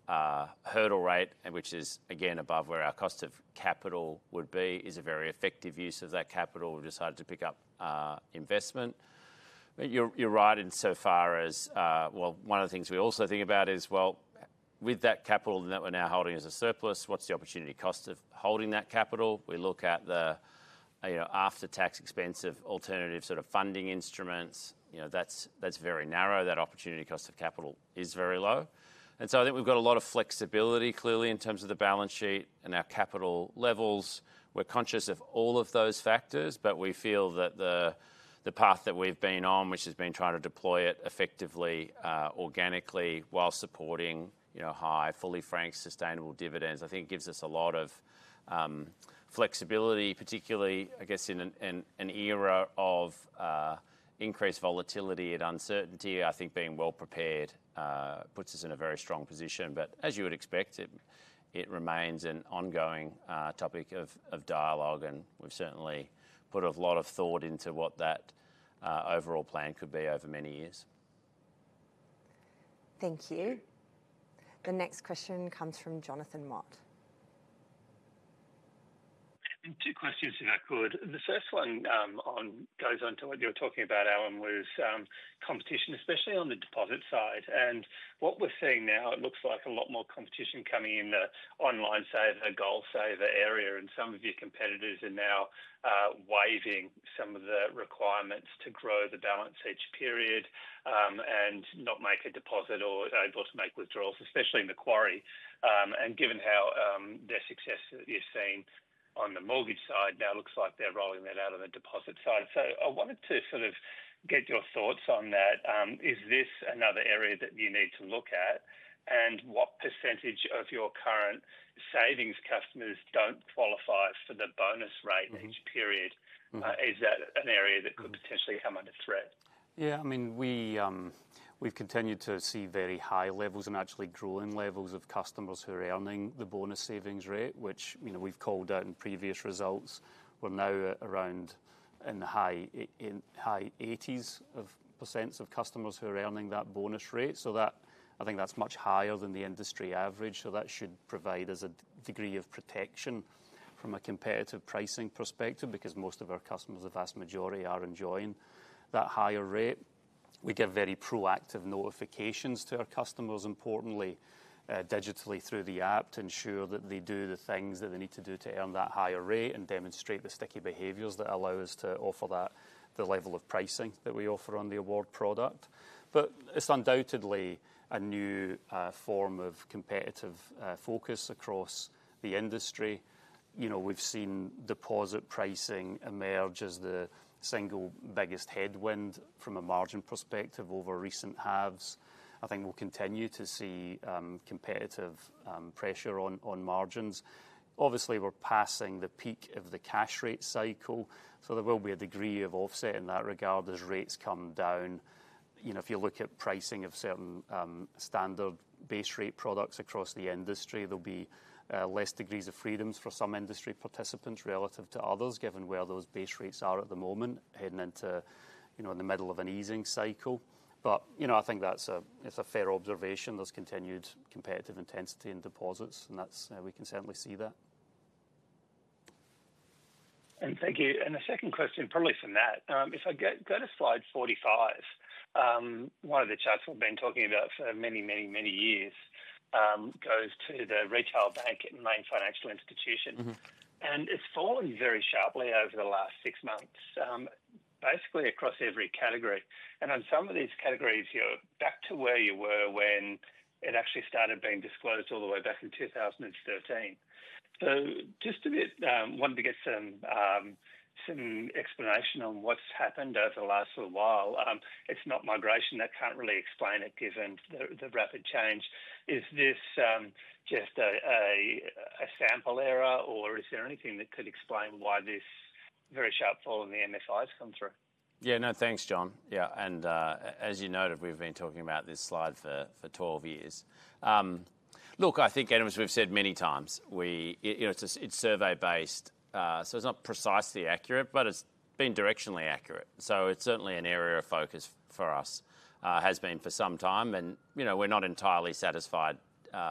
hurdle rate, which is again above where our cost of capital would be, is a very effective use of that capital. We've decided to pick up investment. You're right in so far as, one of the things we also think about is, with that capital that we're now holding as a surplus, what's the opportunity cost of holding that capital? We look at the after-tax expensive alternative funding instruments. That's very narrow. That opportunity cost of capital is very low. I think we've got a lot of flexibility clearly in terms of the balance sheet and our capital levels. We're conscious of all of those factors, but we feel that the path that we've been on, which has been trying to deploy it effectively, organically, while supporting high, fully franked, sustainable dividends, gives us a lot of flexibility, particularly in an era of increased volatility and uncertainty. I think being well prepared puts us in a very strong position, but as you would expect, it remains an ongoing topic of dialogue, and we've certainly put a lot of thought into what that overall plan could be over many years. Thank you. The next question comes from Jonathan Mott. Two questions, if I could. The first one goes on to what you were talking about, Alan, was competition, especially on the deposit side. What we're seeing now, it looks like a lot more competition coming in the online saver, GoalSaver area, and some of your competitors are now waiving some of the requirements to grow the balance each period and not make a deposit or able to make withdrawals, especially in the quarter. Given how the success that you've seen on the mortgage side now looks like they're rolling that out on the deposit side. I wanted to sort of get your thoughts on that. Is this another area that you need to look at? What perccentage of your current savings customers don't qualify for the bonus rate each period? Is that an area that could potentially come under threat? Yeah, I mean, we've continued to see very high levels and actually gruelling levels of customers who are earning the bonus savings rate, which, you know, we've called out in previous results. We're now around in the high 80% of customers who are earning that bonus rate. I think that's much higher than the industry average. That should provide us a degree of protection from a competitive pricing perspective because most of our customers, the vast majority, are enjoying that higher rate. We give very proactive notifications to our customers, importantly, digitally through the app to ensure that they do the things that they need to do to earn that higher rate and demonstrate the sticky behaviors that allow us to offer that, the level of pricing that we offer on the award product. It's undoubtedly a new form of competitive focus across the industry. We've seen deposit pricing emerge as the single biggest headwind from a margin perspective over recent halves. I think we'll continue to see competitive pressure on margins. Obviously, we're passing the peak of the cash rate cycle. There will be a degree of offset in that regard as rates come down. If you look at pricing of certain standard base rate products across the industry, there'll be less degrees of freedom for some industry participants relative to others, given where those base rates are at the moment, heading into, you know, in the middle of an easing cycle. I think that's a fair observation. There's continued competitive intensity in deposits, and we can certainly see that. Thank you. The second question probably from that, if I go to slide 45, one of the charts we've been talking about for many, many, many years goes to the retail bank and main financial institution. It's fallen very sharply over the last six months, basically across every category. On some of these categories, you're back to where you were when it actually started being disclosed all the way back in 2013. I wanted to get some explanation on what's happened over the last little while. It's not migration, that can't really explain it, given the rapid change. Is this just a sample error, or is there anything that could explain why this very sharp fall in the MFI has come through? Yeah, no, thanks, John. As you noted, we've been talking about this slide for 12 years. I think, and as we've said many times, it's survey-based, so it's not precisely accurate, but it's been directionally accurate. It's certainly an area of focus for us, has been for some time, and we're not entirely satisfied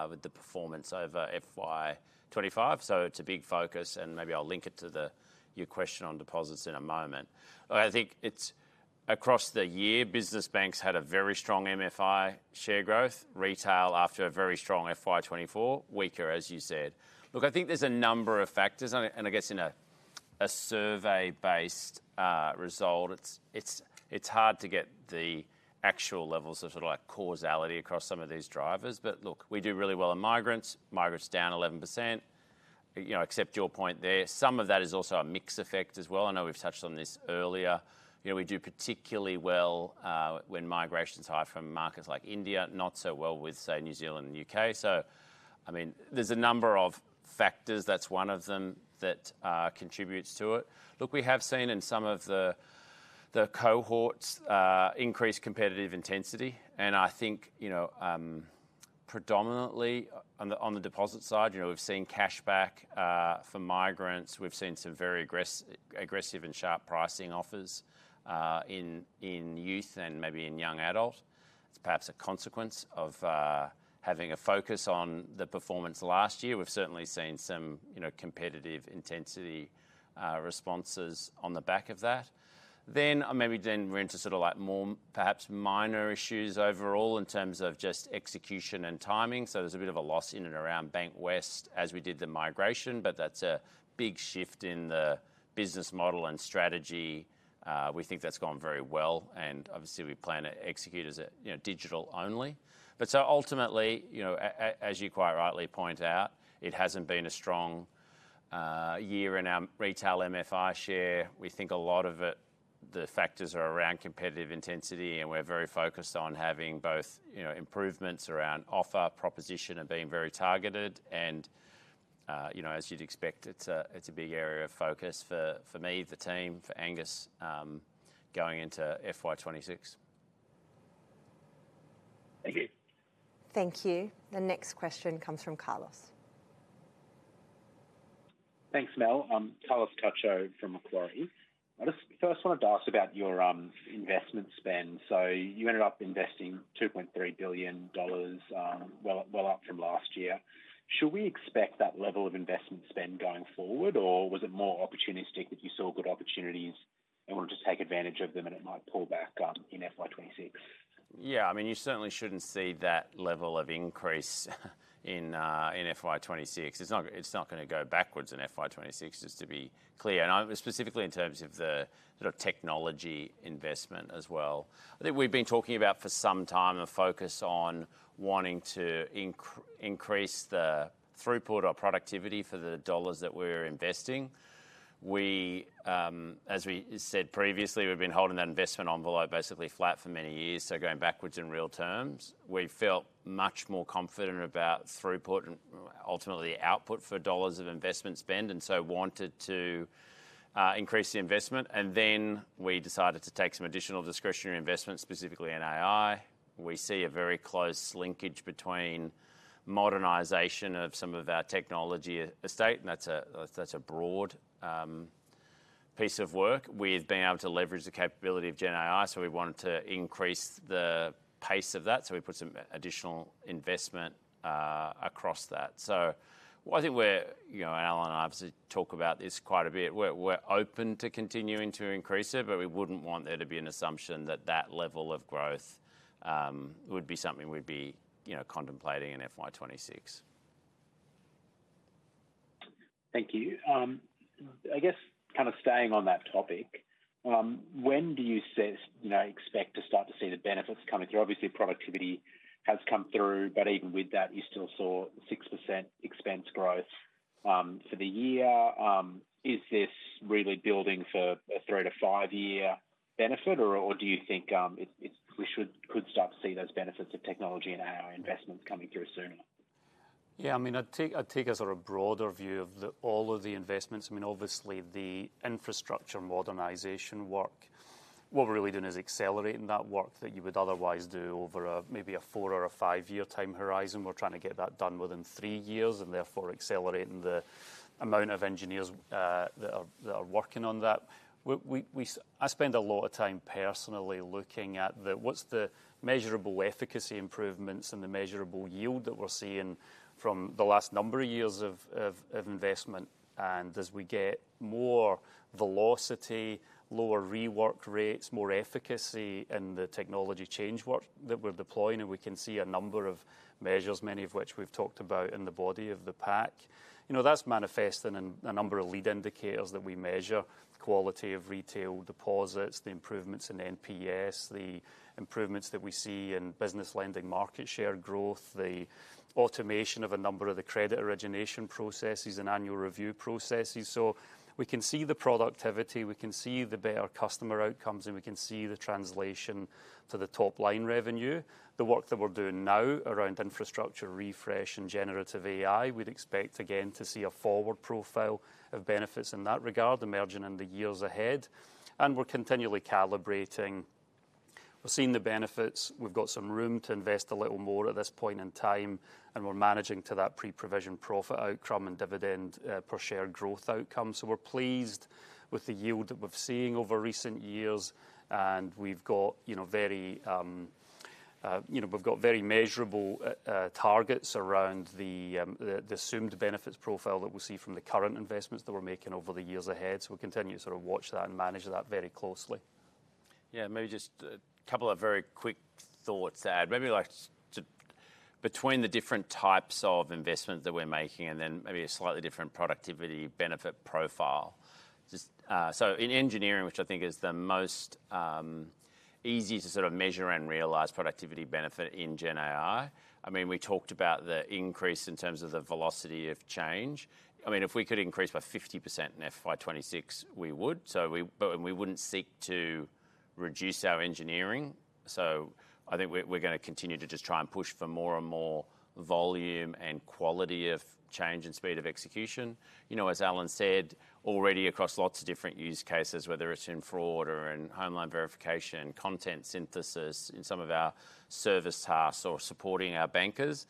with the performance over FY 2025. It's a big focus, and maybe I'll link it to your question on deposits in a moment. I think across the year, business banks had a very strong MFI share growth, retail after a very strong FY 2024, weaker, as you said. I think there's a number of factors, and I guess in a survey-based result, it's hard to get the actual levels of causality across some of these drivers. We do really well in migrants. Migrants are down 11%, except your point there. Some of that is also a mix effect as well. I know we've touched on this earlier. We do particularly well when migration is high from markets like India, not so well with, say, New Zealand and the U.K. There's a number of factors, that's one of them that contributes to it. We have seen in some of the cohorts increased competitive intensity, and I think predominantly on the deposit side, we've seen cashback for migrants. We've seen some very aggressive and sharp pricing offers in youth and maybe in young adults. It's perhaps a consequence of having a focus on the performance last year. We've certainly seen some competitive intensity responses on the back of that. Maybe then we're into more perhaps minor issues overall in terms of just execution and timing. There's a bit of a loss in and around Bankwest as we did the migration, but that's a big shift in the business model and strategy. We think that's gone very well, and obviously we plan to execute as a digital only. Ultimately, as you quite rightly point out, it hasn't been a strong year in our retail MFI share. We think a lot of it, the factors are around competitive intensity, and we're very focused on having both improvements around offer, proposition, and being very targeted. As you'd expect, it's a big area of focus for me, the team, for Angus going into FY 2026. Thank you. The next question comes from Carlos. Thanks, Mel. Carlos Cacho from Macquarie. I just first wanted to ask about your investment spend. You ended up investing 2.3 billion dollars, well up from last year. Should we expect that level of investment spend going forward, or was it more opportunistic that you saw good opportunities and wanted to take advantage of them, and it might pull back in FY 2026? Yeah, I mean, you certainly shouldn't see that level of increase in FY 2026. It's not going to go backwards in FY 2026, just to be clear. Specifically, in terms of the sort of technology investment as well, I think we've been talking about for some time a focus on wanting to increase the throughput or productivity for the dollars that we're investing. As we said previously, we've been holding that investment envelope basically flat for many years, so going backwards in real terms. We felt much more confident about throughput and ultimately output for dollars of investment spend, and wanted to increase the investment. We decided to take some additional discretionary investments, specifically in AI. We see a very close linkage between modernization of some of our technology estate, and that's a broad piece of work. We've been able to leverage the capability of GenAI, so we wanted to increase the pace of that. We put some additional investment across that. I think we're, you know, Alan Docherty and I obviously talk about this quite a bit. We're open to continuing to increase it, but we wouldn't want there to be an assumption that that level of growth would be something we'd be contemplating in FY 2026. Thank you. I guess kind of staying on that topic, when do you expect to start to see the benefits come through? Obviously, productivity has come through, but even with that, you still saw 6% expense growth for the year. Is this really building for a three to five-year benefit, or do you think we should start to see those benefits of technology and AI investments coming through sooner? Yeah, I mean, I take a sort of broader view of all of the investments. I mean, obviously, the infrastructure modernization work, what we're really doing is accelerating that work that you would otherwise do over maybe a four or a five-year time horizon. We're trying to get that done within three years, and therefore accelerating the amount of engineers that are working on that. I spend a lot of time personally looking at what's the measurable efficacy improvements and the measurable yield that we're seeing from the last number of years of investment. As we get more velocity, lower rework rates, more efficacy in the technology change work that we're deploying, we can see a number of measures, many of which we've talked about in the body of the pack. That's manifested in a number of lead indicators that we measure: quality of retail deposits, the improvements in NPS, the improvements that we see in business lending market share growth, the automation of a number of the credit origination processes and annual review processes. We can see the productivity, we can see the better customer outcomes, and we can see the translation to the top-line revenue. The work that we're doing now around infrastructure refresh and generative AI, we'd expect again to see a forward profile of benefits in that regard emerging in the years ahead. We're continually calibrating. We're seeing the benefits. We've got some room to invest a little more at this point in time, and we're managing to that pre-provision profit outcome and dividend per share growth outcome. We're pleased with the yield that we're seeing over recent years, and we've got very measurable targets around the assumed benefits profile that we'll see from the current investments that we're making over the years ahead. We'll continue to sort of watch that and manage that very closely. Yeah, maybe just a couple of very quick thoughts there. Maybe like between the different types of investments that we're making, and then maybe a slightly different productivity benefit profile. In engineering, which I think is the most easy to sort of measure and realize productivity benefit in GenAI, I mean, we talked about the increase in terms of the velocity of change. If we could increase by 50% in FY 2026, we would. We wouldn't seek to reduce our engineering. I think we're going to continue to just try and push for more and more volume and quality of change and speed of execution. As Alan said, already across lots of different use cases, whether it's in fraud or in homeland verification, content synthesis, in some of our service tasks or supporting our bankers,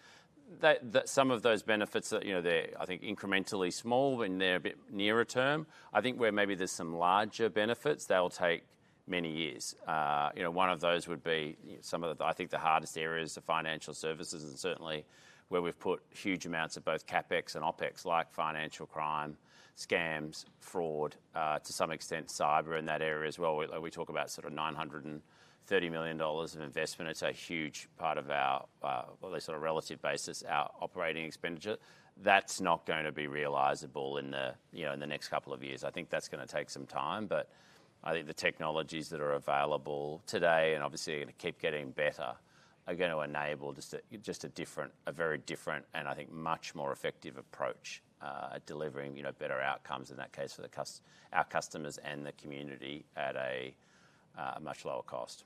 some of those benefits are, I think, incrementally small when they're a bit nearer term. I think where maybe there's some larger benefits, they'll take many years. One of those would be some of the, I think, the hardest areas are financial services, and certainly where we've put huge amounts of both CapEx and OpEx, like financial crime, scams, fraud, to some extent cyber in that area as well. We talk about sort of 930 million dollars of investment. It's a huge part of our, at least on a relative basis, our operating expenditure. That's not going to be realizable in the next couple of years. I think that's going to take some time, but I think the technologies that are available today and obviously going to keep getting better are going to enable just a different, a very different, and I think much more effective approach at delivering better outcomes in that case for our customers and the community at a much lower cost.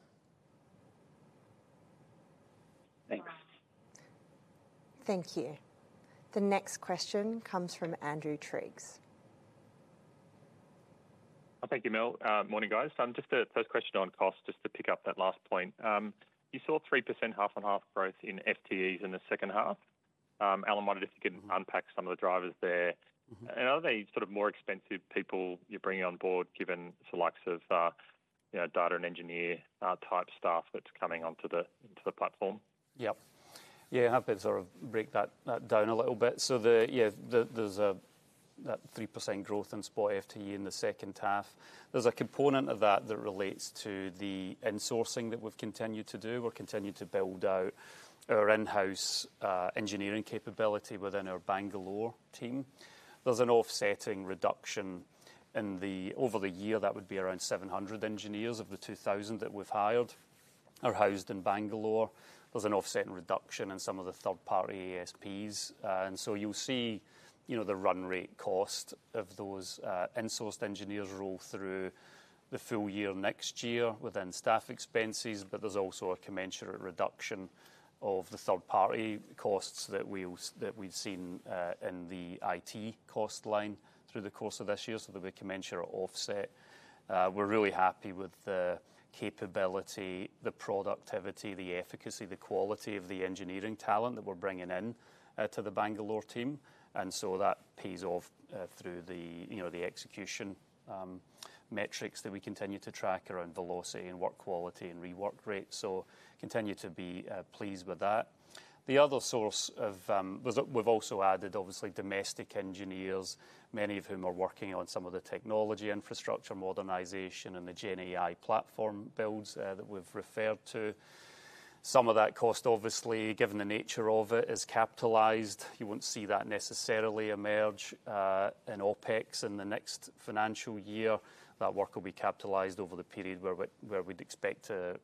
Thank you. The next question comes from Andrew Triggs. Thank you, Mel. Morning, guys. Just a first question on cost, just to pick up that last point. You saw 3% half-on-half growth in FTEs in the second half. Alan, I wondered if you could unpack some of the drivers there. Are there any sort of more expensive people you're bringing on board, given the likes of, you know, data and engineer type staff that's coming onto the platform? Yeah, I hope to sort of break that down a little bit. There's that 3% growth in spot FTE in the second half. There's a component of that that relates to the insourcing that we've continued to do. We're continuing to build out our in-house engineering capability within our Bangalore team. There's an offsetting reduction over the year. That would be around 700 engineers of the 2,000 that we've hired are housed in Bangalore. There's an offsetting reduction in some of the third-party ASPs. You'll see the run rate cost of those insourced engineers roll through the full year next year within staff expenses, but there's also a commensurate reduction of the third-party costs that we've seen in the IT cost line through the course of this year. There'll be a commensurate offset. We're really happy with the capability, the productivity, the efficacy, the quality of the engineering talent that we're bringing into the Bangalore team. That pays off through the execution metrics that we continue to track around velocity and work quality and rework rates. We continue to be pleased with that. We've also added, obviously, domestic engineers, many of whom are working on some of the technology infrastructure modernization and the GenAI platform builds that we've referred to. Some of that cost, obviously, given the nature of it, is capitalized. You won't see that necessarily emerge in OpEx in the next financial year. That work will be capitalized over the period where we'd expect to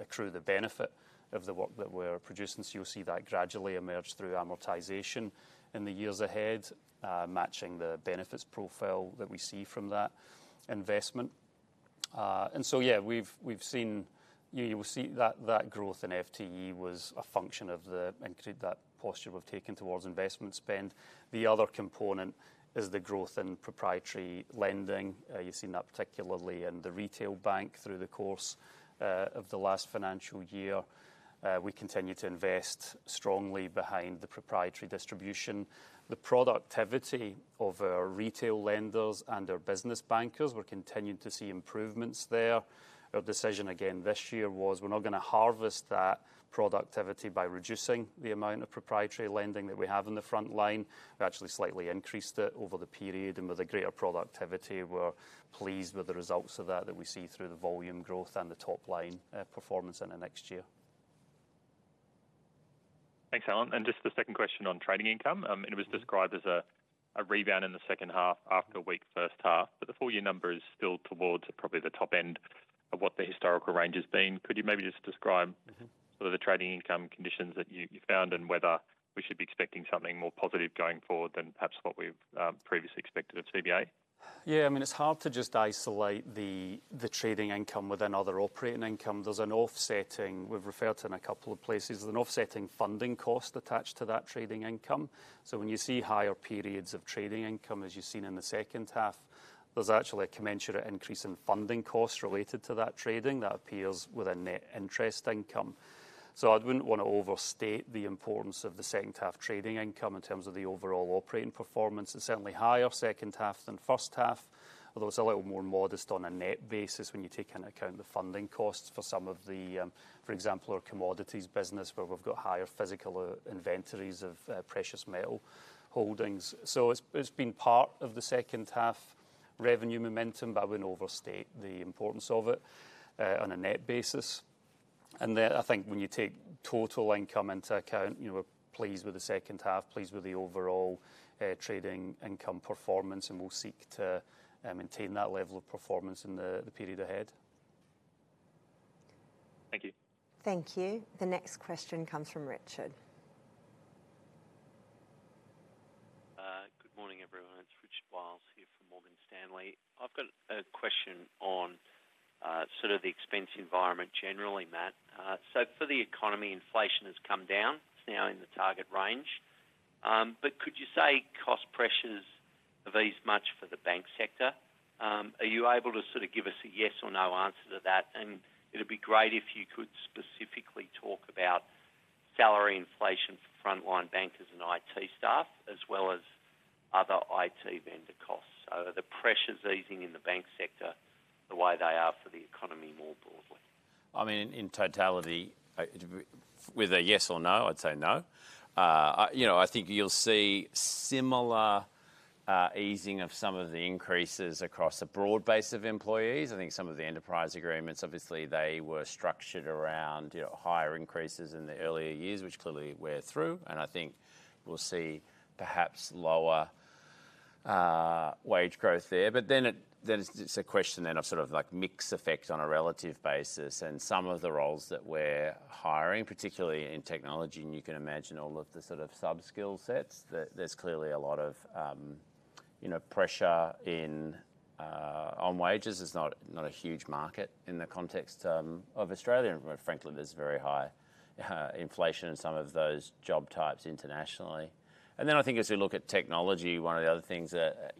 accrue the benefit of the work that we're producing. You'll see that gradually emerge through amortization in the years ahead, matching the benefits profile that we see from that investment. We've seen that growth in FTE was a function of that posture we've taken towards investment spend. The other component is the growth in proprietary lending. You've seen that particularly in the retail bank through the course of the last financial year. We continue to invest strongly behind the proprietary distribution. The productivity of our retail lenders and our business bankers, we're continuing to see improvements there. Our decision again this year was we're not going to harvest that productivity by reducing the amount of proprietary lending that we have in the front line. We actually slightly increased it over the period, and with a greater productivity, we're pleased with the results of that that we see through the volume growth and the top line performance in the next year. Thanks, Alan. The second question on trading income. It was described as a rebound in the second half after a weak first half, but the full year number is still towards probably the top end of what the historical range has been. Could you maybe just describe some of the trading income conditions that you found and whether we should be expecting something more positive going forward than perhaps what we've previously expected of CBA? Yeah, I mean, it's hard to just isolate the trading income with another operating income. There's an offsetting, we've referred to in a couple of places, there's an offsetting funding cost attached to that trading income. When you see higher periods of trading income, as you've seen in the second half, there's actually a commensurate increase in funding costs related to that trading that appears within net interest income. I wouldn't want to overstate the importance of the second half trading income in terms of the overall operating performance. It's certainly higher second half than first half, although it's a little more modest on a net basis when you take into account the funding costs for some of the, for example, our commodities business where we've got higher physical inventories of precious metal holdings. It's been part of the second half revenue momentum, but I wouldn't overstate the importance of it on a net basis. I think when you take total income into account, you know, we're pleased with the second half, pleased with the overall trading income performance, and we'll seek to maintain that level of performance in the period ahead. Thank you. Thank you. The next question comes from Richard. Good morning, everyone. It's Richard Wiles here from Morgan Stanley. I've got a question on the expense environment generally, Matt. For the economy, inflation has come down. It's now in the target range. Could you say cost pressures are these much for the bank sector? Are you able to give us a yes or no answer to that? It'd be great if you could specifically talk about salary inflation for frontline bankers and IT staff, as well as other IT vendor costs. Are the pressures easing in the bank sector the way they are for the economy more broadly? I mean, in totality, with a yes or no, I'd say no. I think you'll see similar easing of some of the increases across a broad base of employees. I think some of the enterprise agreements, obviously, they were structured around higher increases in the earlier years, which clearly wear through. I think we'll see perhaps lower wage growth there. It's a question then of sort of like mixed effects on a relative basis. Some of the roles that we're hiring, particularly in technology, and you can imagine all of the sort of sub-skill sets, there's clearly a lot of pressure on wages. It's not a huge market in the context of Australia. Frankly, there's very high inflation in some of those job types internationally. I think as we look at technology, one of the other things that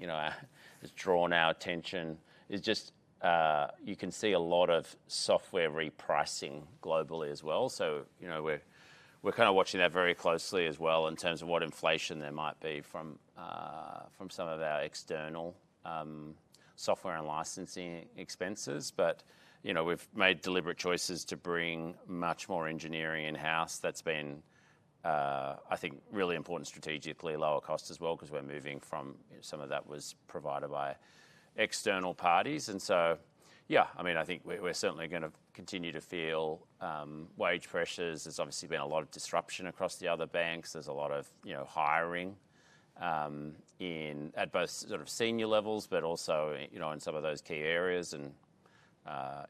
has drawn our attention is just, you can see a lot of software repricing globally as well. We're kind of watching that very closely as well in terms of what inflation there might be from some of our external software and licensing expenses. We've made deliberate choices to bring much more engineering in-house. That's been, I think, really important strategically, lower cost as well, because we're moving from some of that was provided by external parties. I think we're certainly going to continue to feel wage pressures. There's obviously been a lot of disruption across the other banks. There's a lot of hiring at both sort of senior levels, but also in some of those key areas.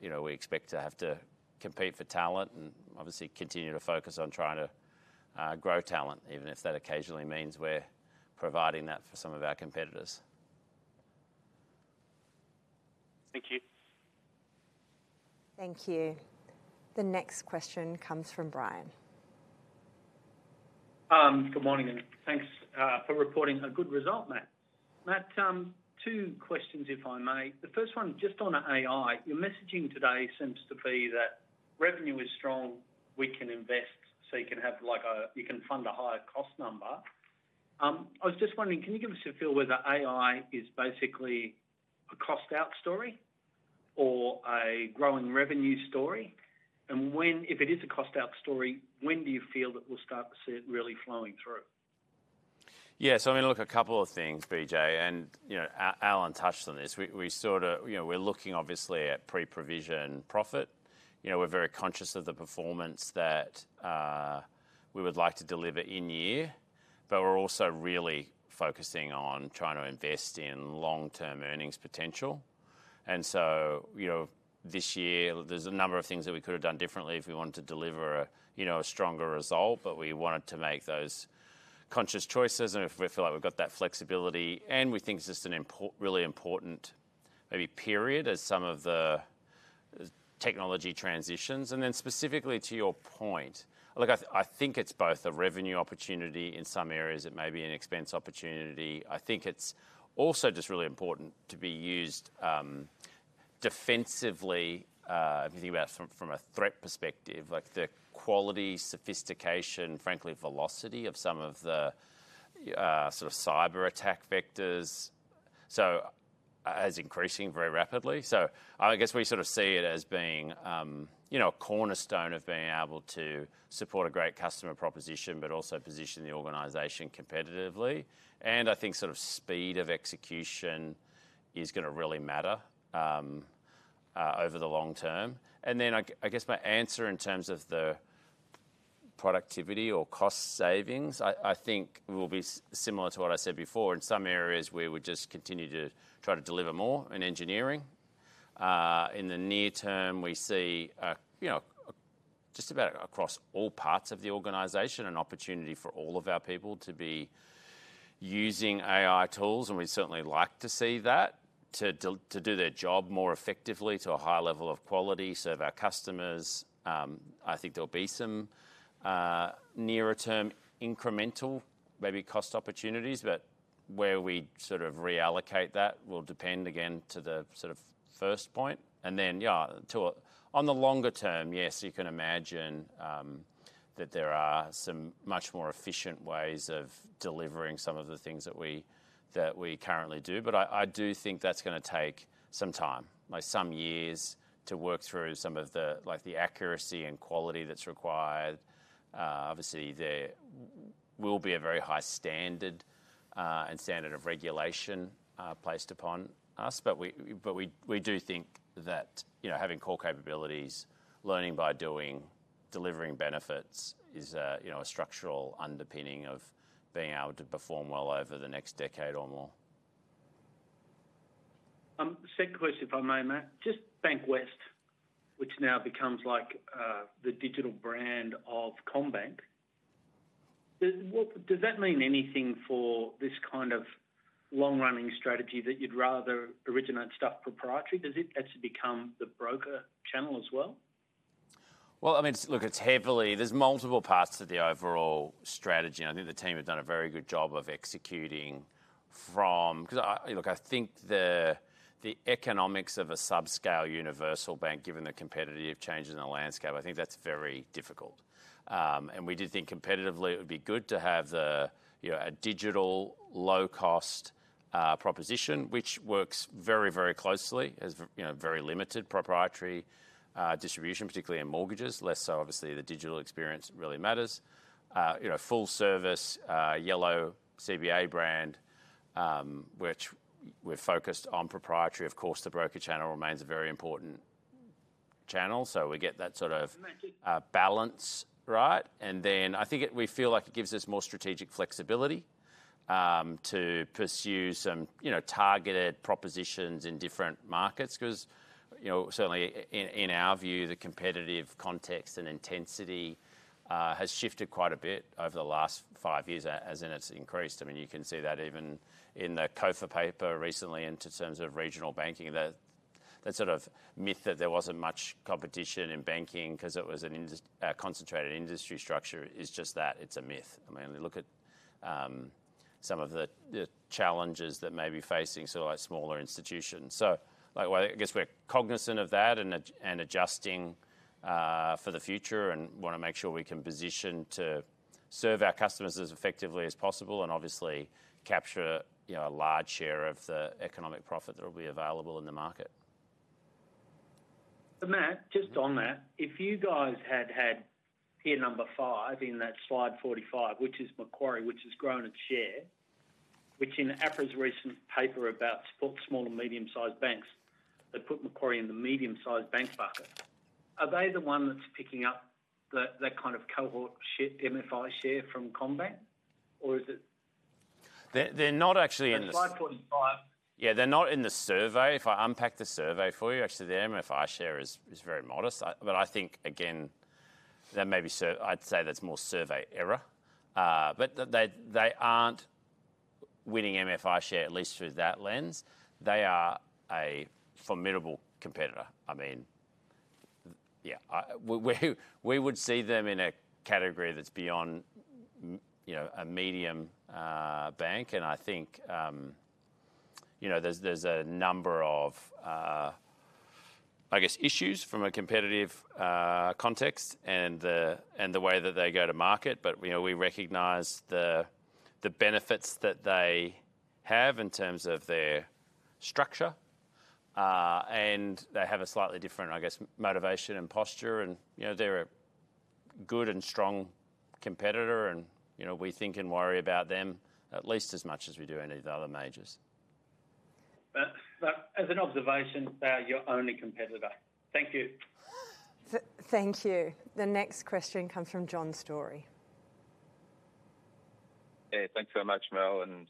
We expect to have to compete for talent and obviously continue to focus on trying to grow talent, even if that occasionally means we're providing that for some of our competitors. Thank you. Thank you. The next question comes from Brian. Good morning and thanks for reporting a good result, Matt. Matt, two questions, if I may. The first one just on AI. Your messaging today seems to be that revenue is strong, we can invest, you can fund a higher cost number. I was just wondering, can you give us a feel whether AI is basically a cost-out story or a growing revenue story? If it is a cost-out story, when do you feel that we'll start to see it really flowing through? Yeah, so I mean, look, a couple of things, BJ. Alan touched on this. We sort of, you know, we're looking obviously at pre-provision profit. We're very conscious of the performance that we would like to deliver in year, but we're also really focusing on trying to invest in long-term earnings potential. This year there's a number of things that we could have done differently if we wanted to deliver a stronger result, but we wanted to make those conscious choices. If we feel like we've got that flexibility, we think it's just a really important maybe period as some of the technology transitions. Specifically to your point, I think it's both a revenue opportunity in some areas, it may be an expense opportunity. I think it's also just really important to be used defensively. If you think about it from a threat perspective, like the quality, sophistication, frankly, velocity of some of the sort of cyber attack vectors, it's increasing very rapidly. I guess we sort of see it as being a cornerstone of being able to support a great customer proposition, but also position the organization competitively. I think sort of speed of execution is going to really matter over the long term. My answer in terms of the productivity or cost savings, I think will be similar to what I said before. In some areas, we would just continue to try to deliver more in engineering. In the near term, we see just about across all parts of the organization, an opportunity for all of our people to be using AI tools, and we'd certainly like to see that to do the job more effectively, to a higher level of quality, serve our customers. I think there'll be some nearer term incremental, maybe cost opportunities, but where we sort of reallocate that will depend again to the first point. To the longer term, yes, you can imagine that there are some much more efficient ways of delivering some of the things that we currently do. I do think that's going to take some time, like some years to work through some of the accuracy and quality that's required. Obviously there will be a very high standard, and standard of regulation, placed upon us. We do think that having core capabilities, learning by doing, delivering benefits is a structural underpinning of being able to perform well over the next decade or more. The second question, if I may, Matt, just Bankwest, which now becomes like the digital brand of CommBank. Does that mean anything for this kind of long-running strategy that you'd rather originate stuff proprietary? Does it actually become the broker channel as well? I mean, look, there's multiple parts to the overall strategy. I think the team has done a very good job of executing from, because I think the economics of a subscale universal bank, given the competitive changes in the landscape, I think that's very difficult. We do think competitively it would be good to have a digital low-cost proposition, which works very, very closely as, you know, very limited proprietary distribution, particularly in mortgages. Less so, obviously, the digital experience really matters. You know, full service, yellow CBA brand, which we're focused on proprietary. Of course, the broker channel remains a very important channel. We get that sort of balance right. I think we feel like it gives us more strategic flexibility to pursue some targeted propositions in different markets. Because, certainly in our view, the competitive context and intensity has shifted quite a bit over the last five years, as in it's increased. You can see that even in the COFA paper recently in terms of regional banking, that that sort of myth that there wasn't much competition in banking because it was a concentrated industry structure is just that, it's a myth. I mean, we look at some of the challenges that may be facing sort of like smaller institutions. I guess we're cognizant of that and adjusting for the future and want to make sure we can position to serve our customers as effectively as possible and obviously capture a large share of the economic profit that will be available in the market. Matt, just on that, if you guys had had here number five in that slide 45, which is Macquarie, which has grown its share, which in APRA's recent paper about smaller and medium-sized banks, they put Macquarie in the medium-sized banks bucket. Are they the one that's picking up that kind of cohort share, MFI share from Commonwealth Bank of Australia? Or is it? They're not actually in the survey. Yeah, they're not in the survey. If I unpack the survey for you, the MFI share is very modest. I think that may be, I'd say that's more survey error, but they aren't winning MFI share, at least through that lens. They are a formidable competitor. I mean, yeah, we would see them in a category that's beyond, you know, a medium bank. I think there are a number of issues from a competitive context and the way that they go to market. We recognize the benefits that they have in terms of their structure, and they have a slightly different motivation and posture. They're a good and strong competitor. We think and worry about them at least as much as we do any of the other majors. As an observation, they're your only competitor. Thank you. Thank you. The next question comes from John Storey. Hey, thanks very much, Mel, and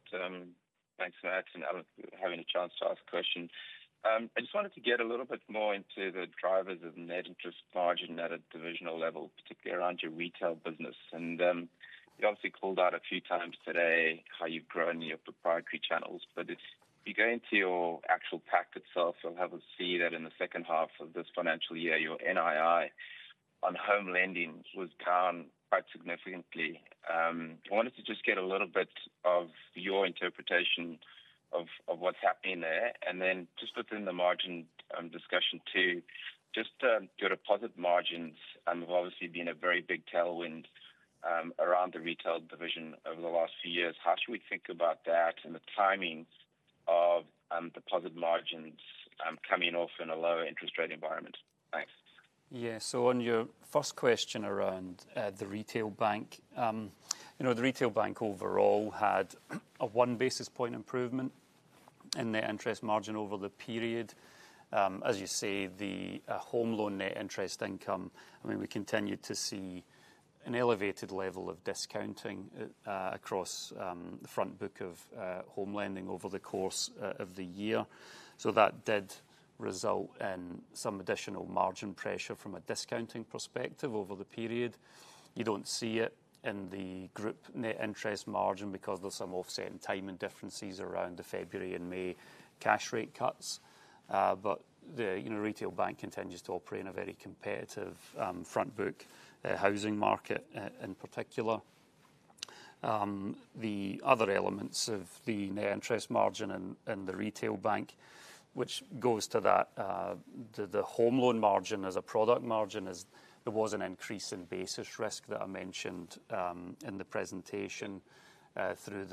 thanks, Matt, and Alan, for having the chance to ask a question. I just wanted to get a little bit more into the drivers of net interest margin at a divisional level, particularly around your retail business. You obviously called out a few times today how you've grown your proprietary channels. If you go into your actual pack itself, you'll see that in the second half of this financial year, your NII on home lending was down quite significantly. I wanted to just get a little bit of your interpretation of what's happening there. Within the margin discussion too, your deposit margins have obviously been a very big tailwind around the retail division over the last few years. How should we think about that and the timing of deposit margins coming off in a lower interest rate environment? Yeah, on your first question around the retail bank, the retail bank overall had a one basis point improvement in the interest margin over the period. As you say, the home loan net interest income, I mean, we continued to see an elevated level of discounting across the front book of home lending over the course of the year. That did result in some additional margin pressure from a discounting perspective over the period. You don't see it in the group net interest margin because of some offset and timing differences around the February and May cash rate cuts. The retail bank continues to operate in a very competitive front book housing market in particular. The other elements of the net interest margin in the retail bank, which goes to that, the home loan margin as a product margin, there was an increase in basis risk that I mentioned in the presentation through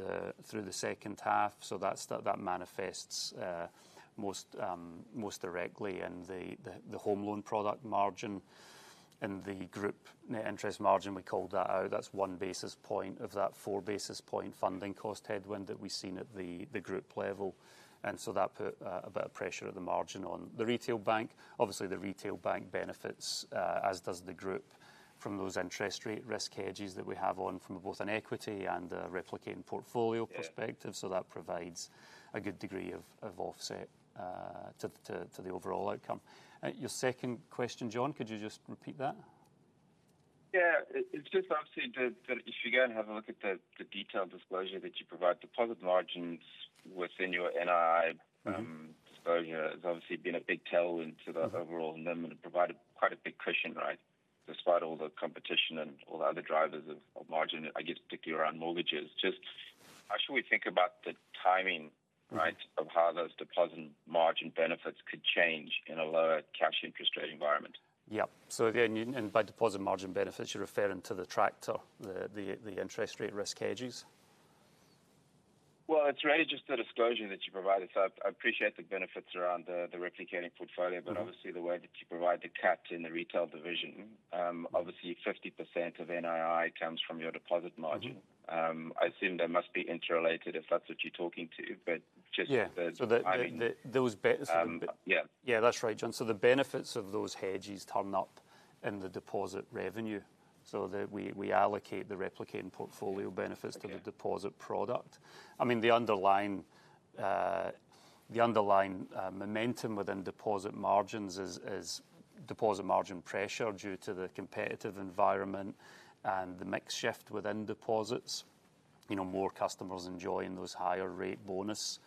the second half. That manifests most directly in the home loan product margin. In the group net interest margin, we called that out. That's one basis point of that four basis point funding cost headwind that we've seen at the group level. That put a bit of pressure at the margin on the retail bank. Obviously, the retail bank benefits, as does the group, from those interest rate risk hedges that we have on from both an equity and a replicating portfolio perspective. That provides a good degree of offset to the overall outcome. Your second question, John, could you just repeat that? It's just obviously the issue again, having a look at the detailed disclosure that you provide, deposit margins within your NII disclosure has obviously been a big tailwind to the overall number and provided quite a big cushion, right? Despite all the competition and all the other drivers of margin, I guess particularly around mortgages, just how should we think about the timing, right, of how those deposit margin benefits could change in a lower cash interest rate environment? Yeah, by deposit margin benefits, you're referring to the tracked or the interest rate risk hedges? It's really just a disclosure that you provided. I appreciate the benefits around the replicating portfolio, but obviously the way that you provide the cap in the retail division, obviously 50% of NII comes from your deposit margin. I assume they must be interrelated if that's what you're talking to, but just. Yeah, that's right, John. The benefits of those hedges come up in the deposit revenue. We allocate the replicating portfolio benefits to the deposit product. The underlying momentum within deposit margins is deposit margin pressure due to the competitive environment and the mix shift within deposits. More customers are enjoying those higher rate bonus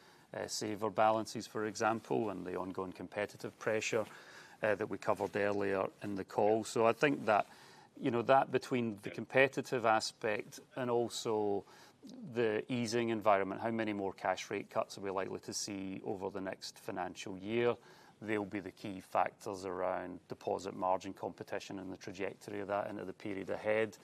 saver balances, for example, and the ongoing competitive pressure that we covered earlier in the call. I think that between the competitive aspect and also the easing environment, how many more cash rate cuts are we likely to see over the next financial year? They'll be the key factors around deposit margin competition and the trajectory of that into the period ahead.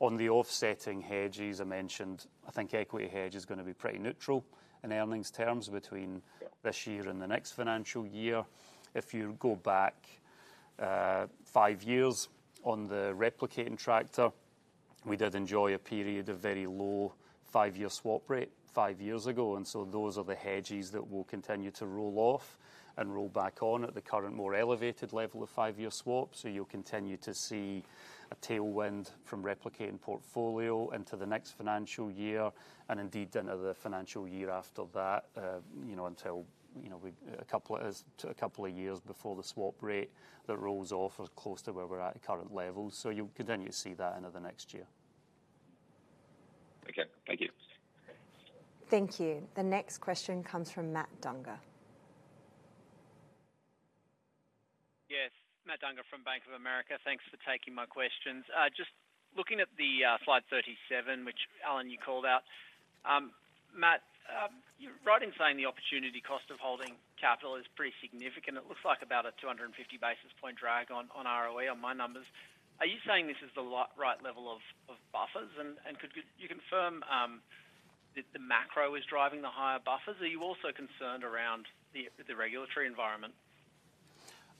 On the offsetting hedges I mentioned, I think equity hedge is going to be pretty neutral in earnings terms between this year and the next financial year. If you go back five years on the replicating portfolio, we did enjoy a period of very low five-year swap rate five years ago. Those are the hedges that will continue to roll off and roll back on at the current more elevated level of five-year swap. You'll continue to see a tailwind from replicating portfolio into the next financial year and indeed into the financial year after that, until a couple of years before the swap rate that rolls off is close to where we're at at current levels. You'll continue to see that into the next year. Thank you. The next question comes from Matt Dunger. Yes, Matt Dunger from Bank of America. Thanks for taking my questions. Just looking at slide 37, which Alan, you called out, Matt, you're right in saying the opportunity cost of holding capital is pretty significant. It looks like about a 250 bps drag on ROE on my numbers. Are you saying this is the right level of buffers? Could you confirm that the macro is driving the higher buffers? Are you also concerned around the regulatory environment?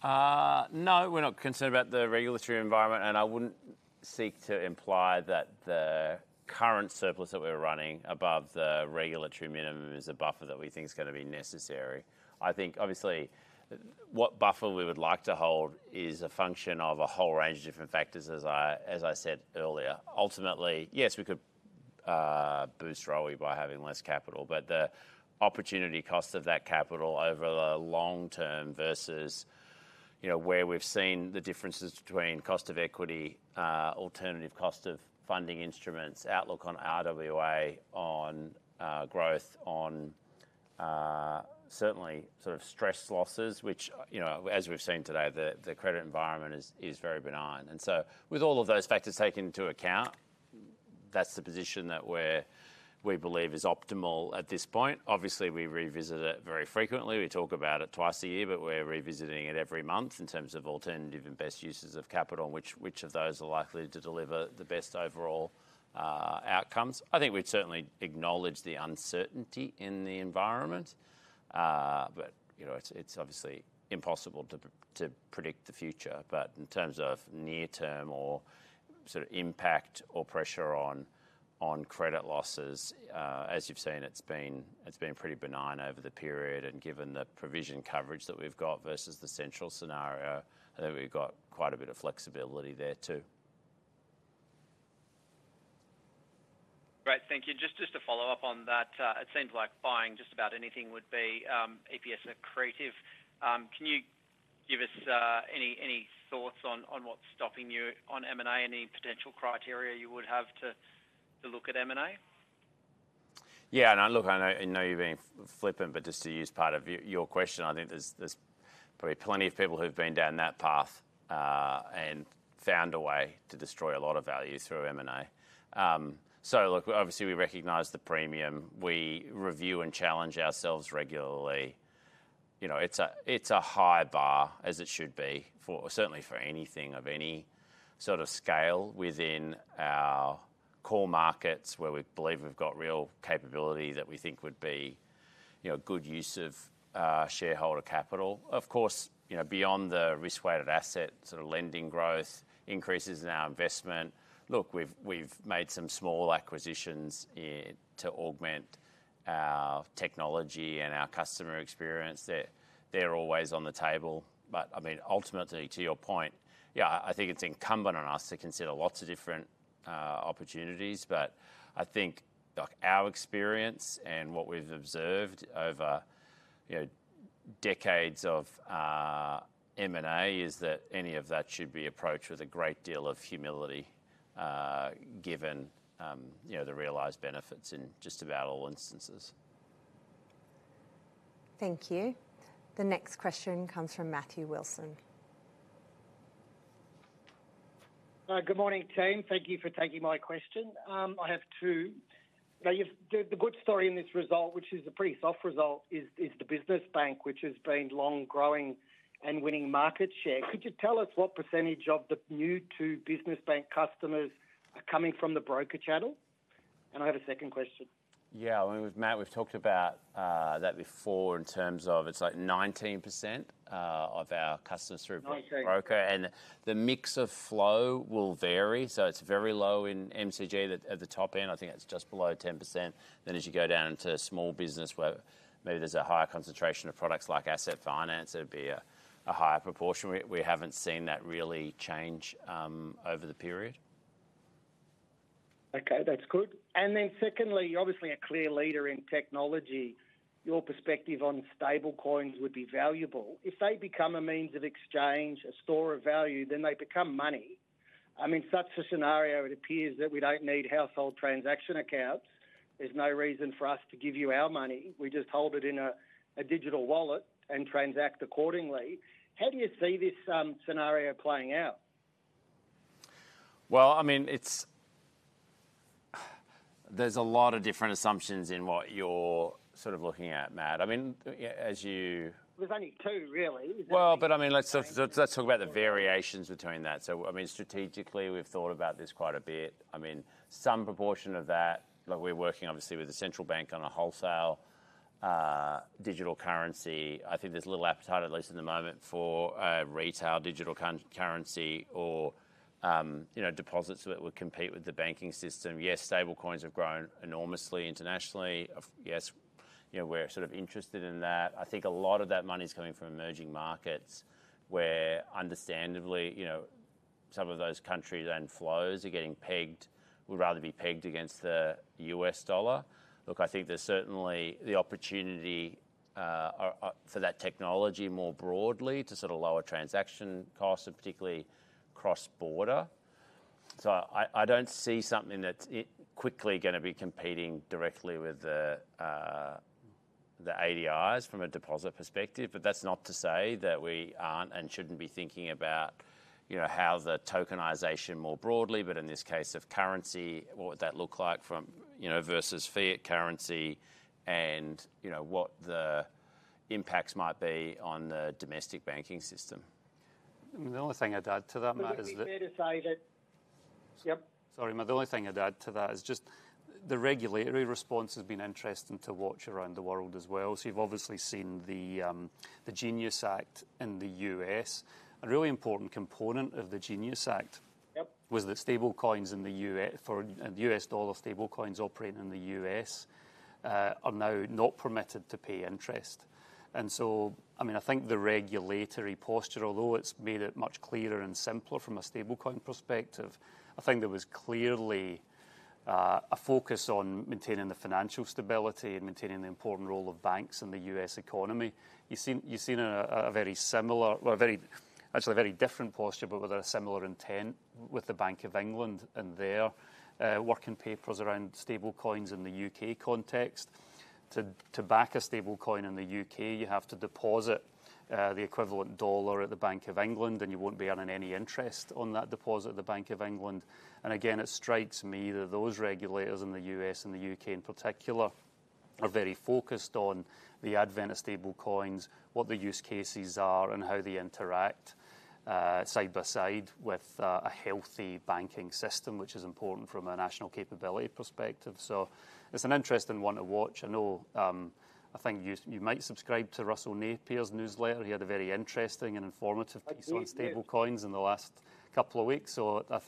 No, we're not concerned about the regulatory environment. I wouldn't seek to imply that the current surplus that we're running above the regulatory minimum is a buffer that we think is going to be necessary. I think obviously what buffer we would like to hold is a function of a whole range of different factors, as I said earlier. Ultimately, yes, we could boost ROE by having less capital, but the opportunity cost of that capital over the long term versus, you know, where we've seen the differences between cost of equity, alternative cost of funding instruments, outlook on RWA, on growth, on certainly sort of stress losses, which, you know, as we've seen today, the credit environment is very benign. With all of those factors taken into account, that's the position that we believe is optimal at this point. Obviously, we revisit it very frequently. We talk about it twice a year, but we're revisiting it every month in terms of alternative and best uses of capital, and which of those are likely to deliver the best overall outcomes. I think we've certainly acknowledged the uncertainty in the environment. It's obviously impossible to predict the future. In terms of near-term or sort of impact or pressure on credit losses, as you've seen, it's been pretty benign over the period. Given the provision coverage that we've got versus the central scenario, I think we've got quite a bit of flexibility there too. Right, thank you. Just to follow up on that, it seems like buying just about anything would be EPS accretive. Can you give us any thoughts on what's stopping you on M&A, any potential criteria you would have to look at M&A? Yeah, I know you've been flipping, but just to use part of your question, I think there's probably plenty of people who've been down that path and found a way to destroy a lot of value through M&A. Obviously, we recognize the premium. We review and challenge ourselves regularly. It's a high bar, as it should be, certainly for anything of any sort of scale within our core markets where we believe we've got real capability that we think would be a good use of shareholder capital. Of course, beyond the risk-weighted asset sort of lending growth, increases in our investment. We've made some small acquisitions to augment our technology and our customer experience. They're always on the table. Ultimately, to your point, I think it's incumbent on us to consider lots of different opportunities. I think our experience and what we've observed over decades of M&A is that any of that should be approached with a great deal of humility, given the realized benefits in just about all instances. Thank you. The next question comes from Matthew Wilson. Good morning, team. Thank you for taking my question. I have two. The good story in this result, which is a pretty soft result, is the business bank, which has been long growing and winning market share. Could you tell us what percentage of the new to business bank customers are coming from the broker channel? I have a second question. Yeah, I mean, Matt, we've talked about that before in terms of it's like 19% of our customers through broker, and the mix of flow will vary. It's very low in MCG at the top end. I think it's just below 10%. As you go down into small business, where maybe there's a higher concentration of products like asset finance, it'd be a higher proportion. We haven't seen that really change over the period. Okay, that's good. Secondly, you're obviously a clear leader in technology. Your perspective on stable coins would be valuable. If they become a means of exchange, a store of value, then they become money. In such a scenario, it appears that we don't need household transaction accounts. There's no reason for us to give you our money. We just hold it in a digital wallet and transact accordingly. How do you see this scenario playing out? There are a lot of different assumptions in what you're sort of looking at, Matt. I mean, as you... Are only two, really. Let's talk about the variations between that. Strategically, we've thought about this quite a bit. Some proportion of that, like we're working obviously with the central bank on a wholesale digital currency. I think there's a little appetite, at least in the moment, for retail digital currency or, you know, deposits that would compete with the banking system. Yes, stable coins have grown enormously internationally. Yes, you know, we're sort of interested in that. I think a lot of that money is coming from emerging markets where, understandably, you know, some of those countries and flows are getting pegged. We'd rather be pegged against the US dollar. I think there's certainly the opportunity for that technology more broadly to sort of lower transaction costs, particularly cross-border. I don't see something that's quickly going to be competing directly with the ADIs from a deposit perspective. That's not to say that we aren't and shouldn't be thinking about how the tokenization more broadly, but in this case of currency, what would that look like from, you know, versus fiat currency and, you know, what the impacts might be on the domestic banking system. The only thing I'd add to that, Matt, is that... [audio distortion] Sorry, Matt. The only thing I'd add to that is just the regulatory response has been interesting to watch around the world as well. You've obviously seen the Genius Act in the U.S. A really important component of the Genius Act was that stablecoins in the U.S., for the U.S. dollar, stablecoins operating in the U.S., are now not permitted to pay interest. I think the regulatory posture, although it's made it much clearer and simpler from a stablecoin perspective, was clearly focused on maintaining financial stability and maintaining the important role of banks in the U.S. economy. You've seen a very similar, actually a very different posture, but with a similar intent with the Bank of England and their working papers around stablecoins in the U.K. context. To back a stablecoin in the U.K., you have to deposit the equivalent dollar at the Bank of England, and you won't be earning any interest on that deposit at the Bank of England. It strikes me that those regulators in the U.S. and the U.K. in particular are very focused on the advent of stablecoins, what the use cases are, and how they interact side by side with a healthy banking system, which is important from a national capability perspective. It's an interesting one to watch. I know you might subscribe to Russell Napier's newsletter. He had a very interesting and informative piece on stablecoins in the last couple of weeks. I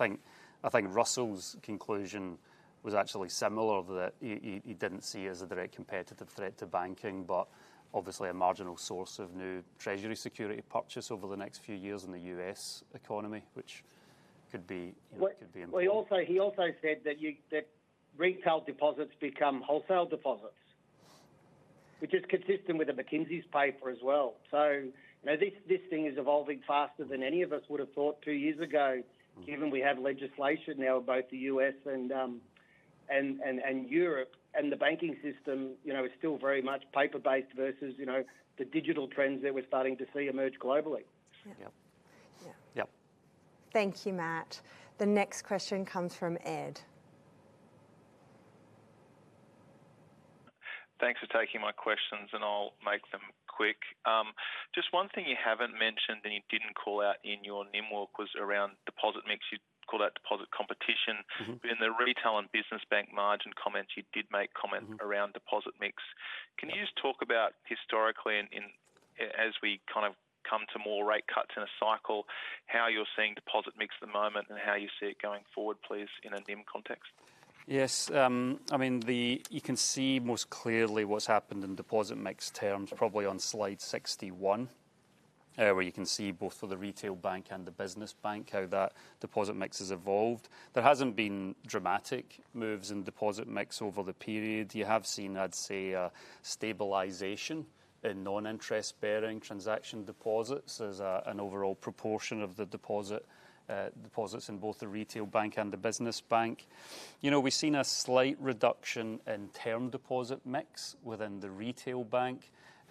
think Russell's conclusion was actually similar, that he didn't see it as a direct competitive threat to banking, but obviously a marginal source of new treasury security purchase over the next few years in the U.S. economy, which could be... He also said that retail deposits become wholesale deposits, which is consistent with McKinsey's paper as well. This thing is evolving faster than any of us would have thought two years ago. Even we have legislation now in both the U.S. and Europe, and the banking system is still very much paper-based versus the digital trends that we're starting to see emerge globally. Thank you, Matt. The next question comes from Ed. Thanks for taking my questions and I'll make them quick. Just one thing you haven't mentioned and you didn't call out in your NIM walk was around deposit mix. You called out deposit competition, but in the retail and business bank margin comments, you did make comments around deposit mix. Can you just talk about historically and as we kind of come to more rate cuts in a cycle, how you're seeing deposit mix at the moment and how you see it going forward, please, in a NIM context? Yes, I mean, you can see most clearly what's happened in deposit mix terms, probably on slide 61, where you can see both for the retail bank and the business bank how that deposit mix has evolved. There haven't been dramatic moves in deposit mix over the period. You have seen, I'd say, a stabilization in non-interest-bearing transaction deposits as an overall proportion of the deposits in both the retail bank and the business bank. We've seen a slight reduction in term deposit mix within the retail bank.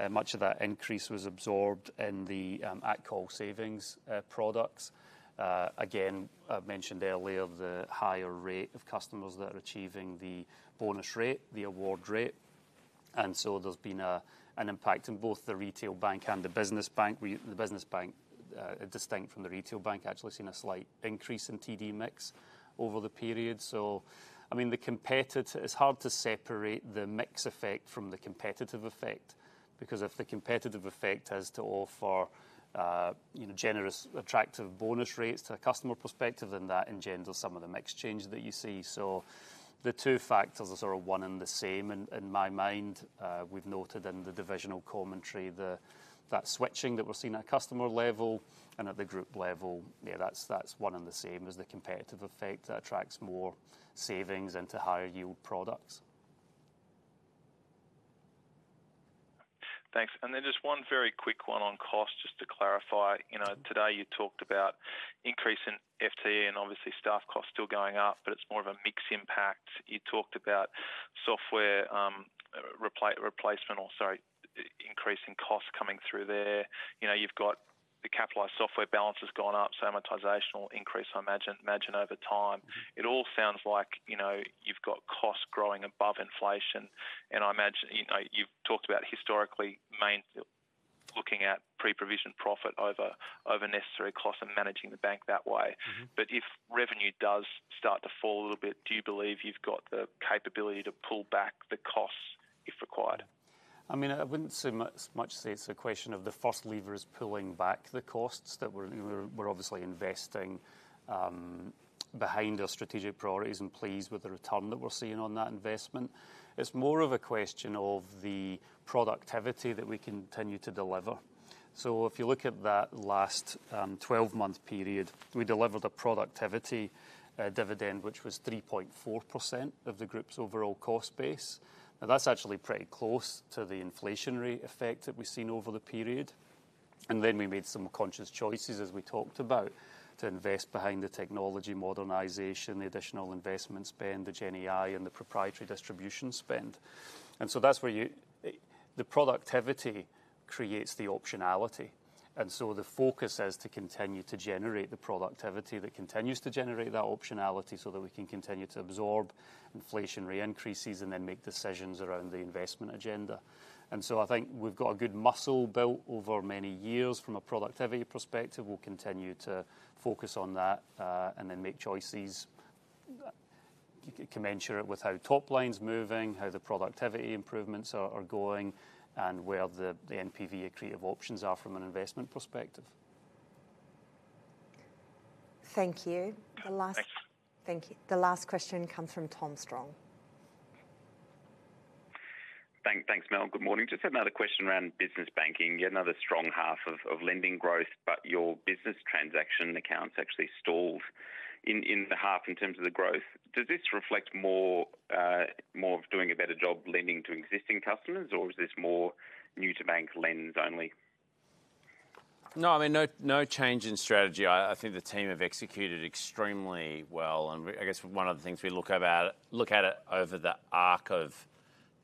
Much of that increase was absorbed in the at-call savings products. I mentioned earlier the higher rate of customers that are achieving the bonus rate, the award rate. There's been an impact in both the retail bank and the business bank. The business bank, distinct from the retail bank, actually has seen a slight increase in TD mix over the period. The competitor, it's hard to separate the mix effect from the competitive effect because if the competitive effect has to offer generous, attractive bonus rates to a customer perspective, then that engenders some of the mix changes that you see. The two factors are sort of one and the same in my mind. We've noted in the divisional commentary that switching that we're seeing at customer level and at the group level, that's one and the same as the competitive effect that attracts more savings into higher yield products. Thanks. Just one very quick one on cost, just to clarify. Today you talked about increase in FTE and obviously staff costs still going up, but it's more of a mixed impact. You talked about software replacement or, sorry, increase in costs coming through there. You've got the capitalized software balance has gone up, so amortization will increase, I imagine, over time. It all sounds like you've got costs growing above inflation. I imagine you've talked about historically mainly looking at pre-provision profit over necessary costs and managing the bank that way. If revenue does start to fall a little bit, do you believe you've got the capability to pull back the costs if required? I mean, I wouldn't say much to say it's a question of the fossil levers pulling back the costs that we're obviously investing behind our strategic priorities and pleased with the return that we're seeing on that investment. It's more of a question of the productivity that we continue to deliver. If you look at that last 12-month period, we delivered a productivity dividend which was 3.4% of the group's overall cost base. That's actually pretty close to the inflation rate effect that we've seen over the period. We made some conscious choices, as we talked about, to invest behind the technology modernization, the additional investment spend, the Gen AI, and the proprietary distribution spend. That's where the productivity creates the optionality. The focus is to continue to generate the productivity that continues to generate that optionality so that we can continue to absorb inflationary increases and then make decisions around the investment agenda. I think we've got a good muscle built over many years from a productivity perspective. We'll continue to focus on that and then make choices, commensurate with how top lines are moving, how the productivity improvements are going, and where the NPV creative options are from an investment perspective. Thank you. The last question comes from Tom Strong. Thanks, Mel. Good morning. Just had another question around business banking. You had another strong half of lending growth, but your business transaction accounts actually stalled in the half in terms of the growth. Does this reflect more of doing a better job lending to existing customers, or is this more new to bank lens only? No, I mean, no change in strategy. I think the team have executed extremely well. I guess one of the things we look at over the arc of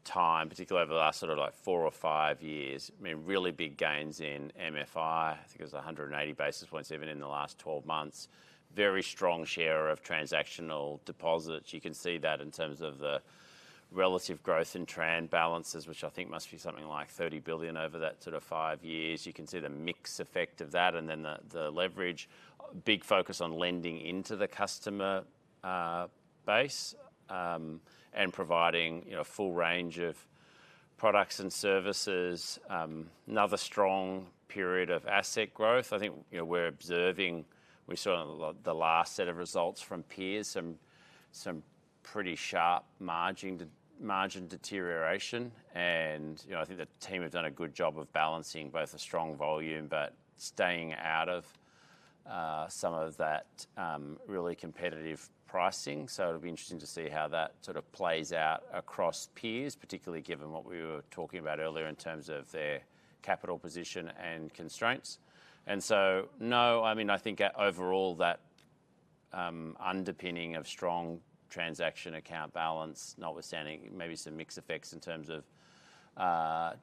time, particularly over the last four or five years, is really big gains in MFI. I think it was 180 basis points even in the last 12 months. Very strong share of transactional deposits. You can see that in terms of the relative growth in trend balances, which I think must be something like 30 billion over that five years. You can see the mix effect of that and then the leverage. Big focus on lending into the customer base and providing a full range of products and services. Another strong period of asset growth. I think we're observing, we saw the last set of results from peers, some pretty sharp margin deterioration. I think the team have done a good job of balancing both a strong volume but staying out of some of that really competitive pricing. It will be interesting to see how that plays out across peers, particularly given what we were talking about earlier in terms of their capital position and constraints. No, I mean, I think overall that underpinning of strong transaction account balance, notwithstanding maybe some mix effects in terms of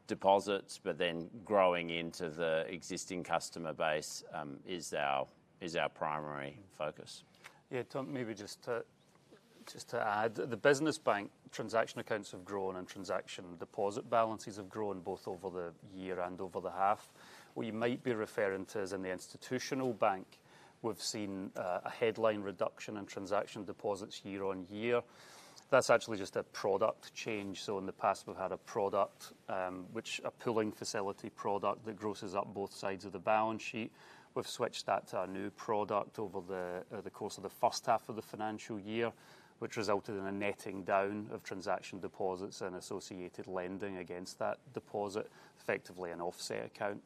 deposits, but then growing into the existing customer base is our primary focus. Yeah, Tom, maybe just to add, the business bank transaction accounts have grown and transaction deposit balances have grown both over the year and over the half. What you might be referring to is in the institutional bank, we've seen a headline reduction in transaction deposits year on year. That's actually just a product change. In the past, we've had a product, which is a pooling facility product that grosses up both sides of the balance sheet. We've switched that to a new product over the course of the first half of the financial year, which resulted in a netting down of transaction deposits and associated lending against that deposit, effectively an offset account.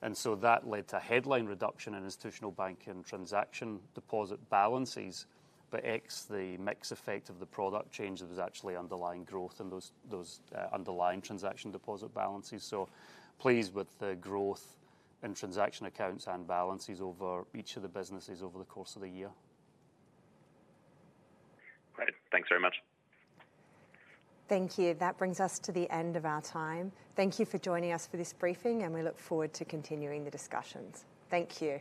That led to headline reduction in institutional bank and transaction deposit balances. Excluding the mix effect of the product change, there is actually underlying growth in those underlying transaction deposit balances. Pleased with the growth in transaction accounts and balances over each of the businesses over the course of the year. Great, thanks very much. Thank you. That brings us to the end of our time. Thank you for joining us for this briefing, and we look forward to continuing the discussions. Thank you.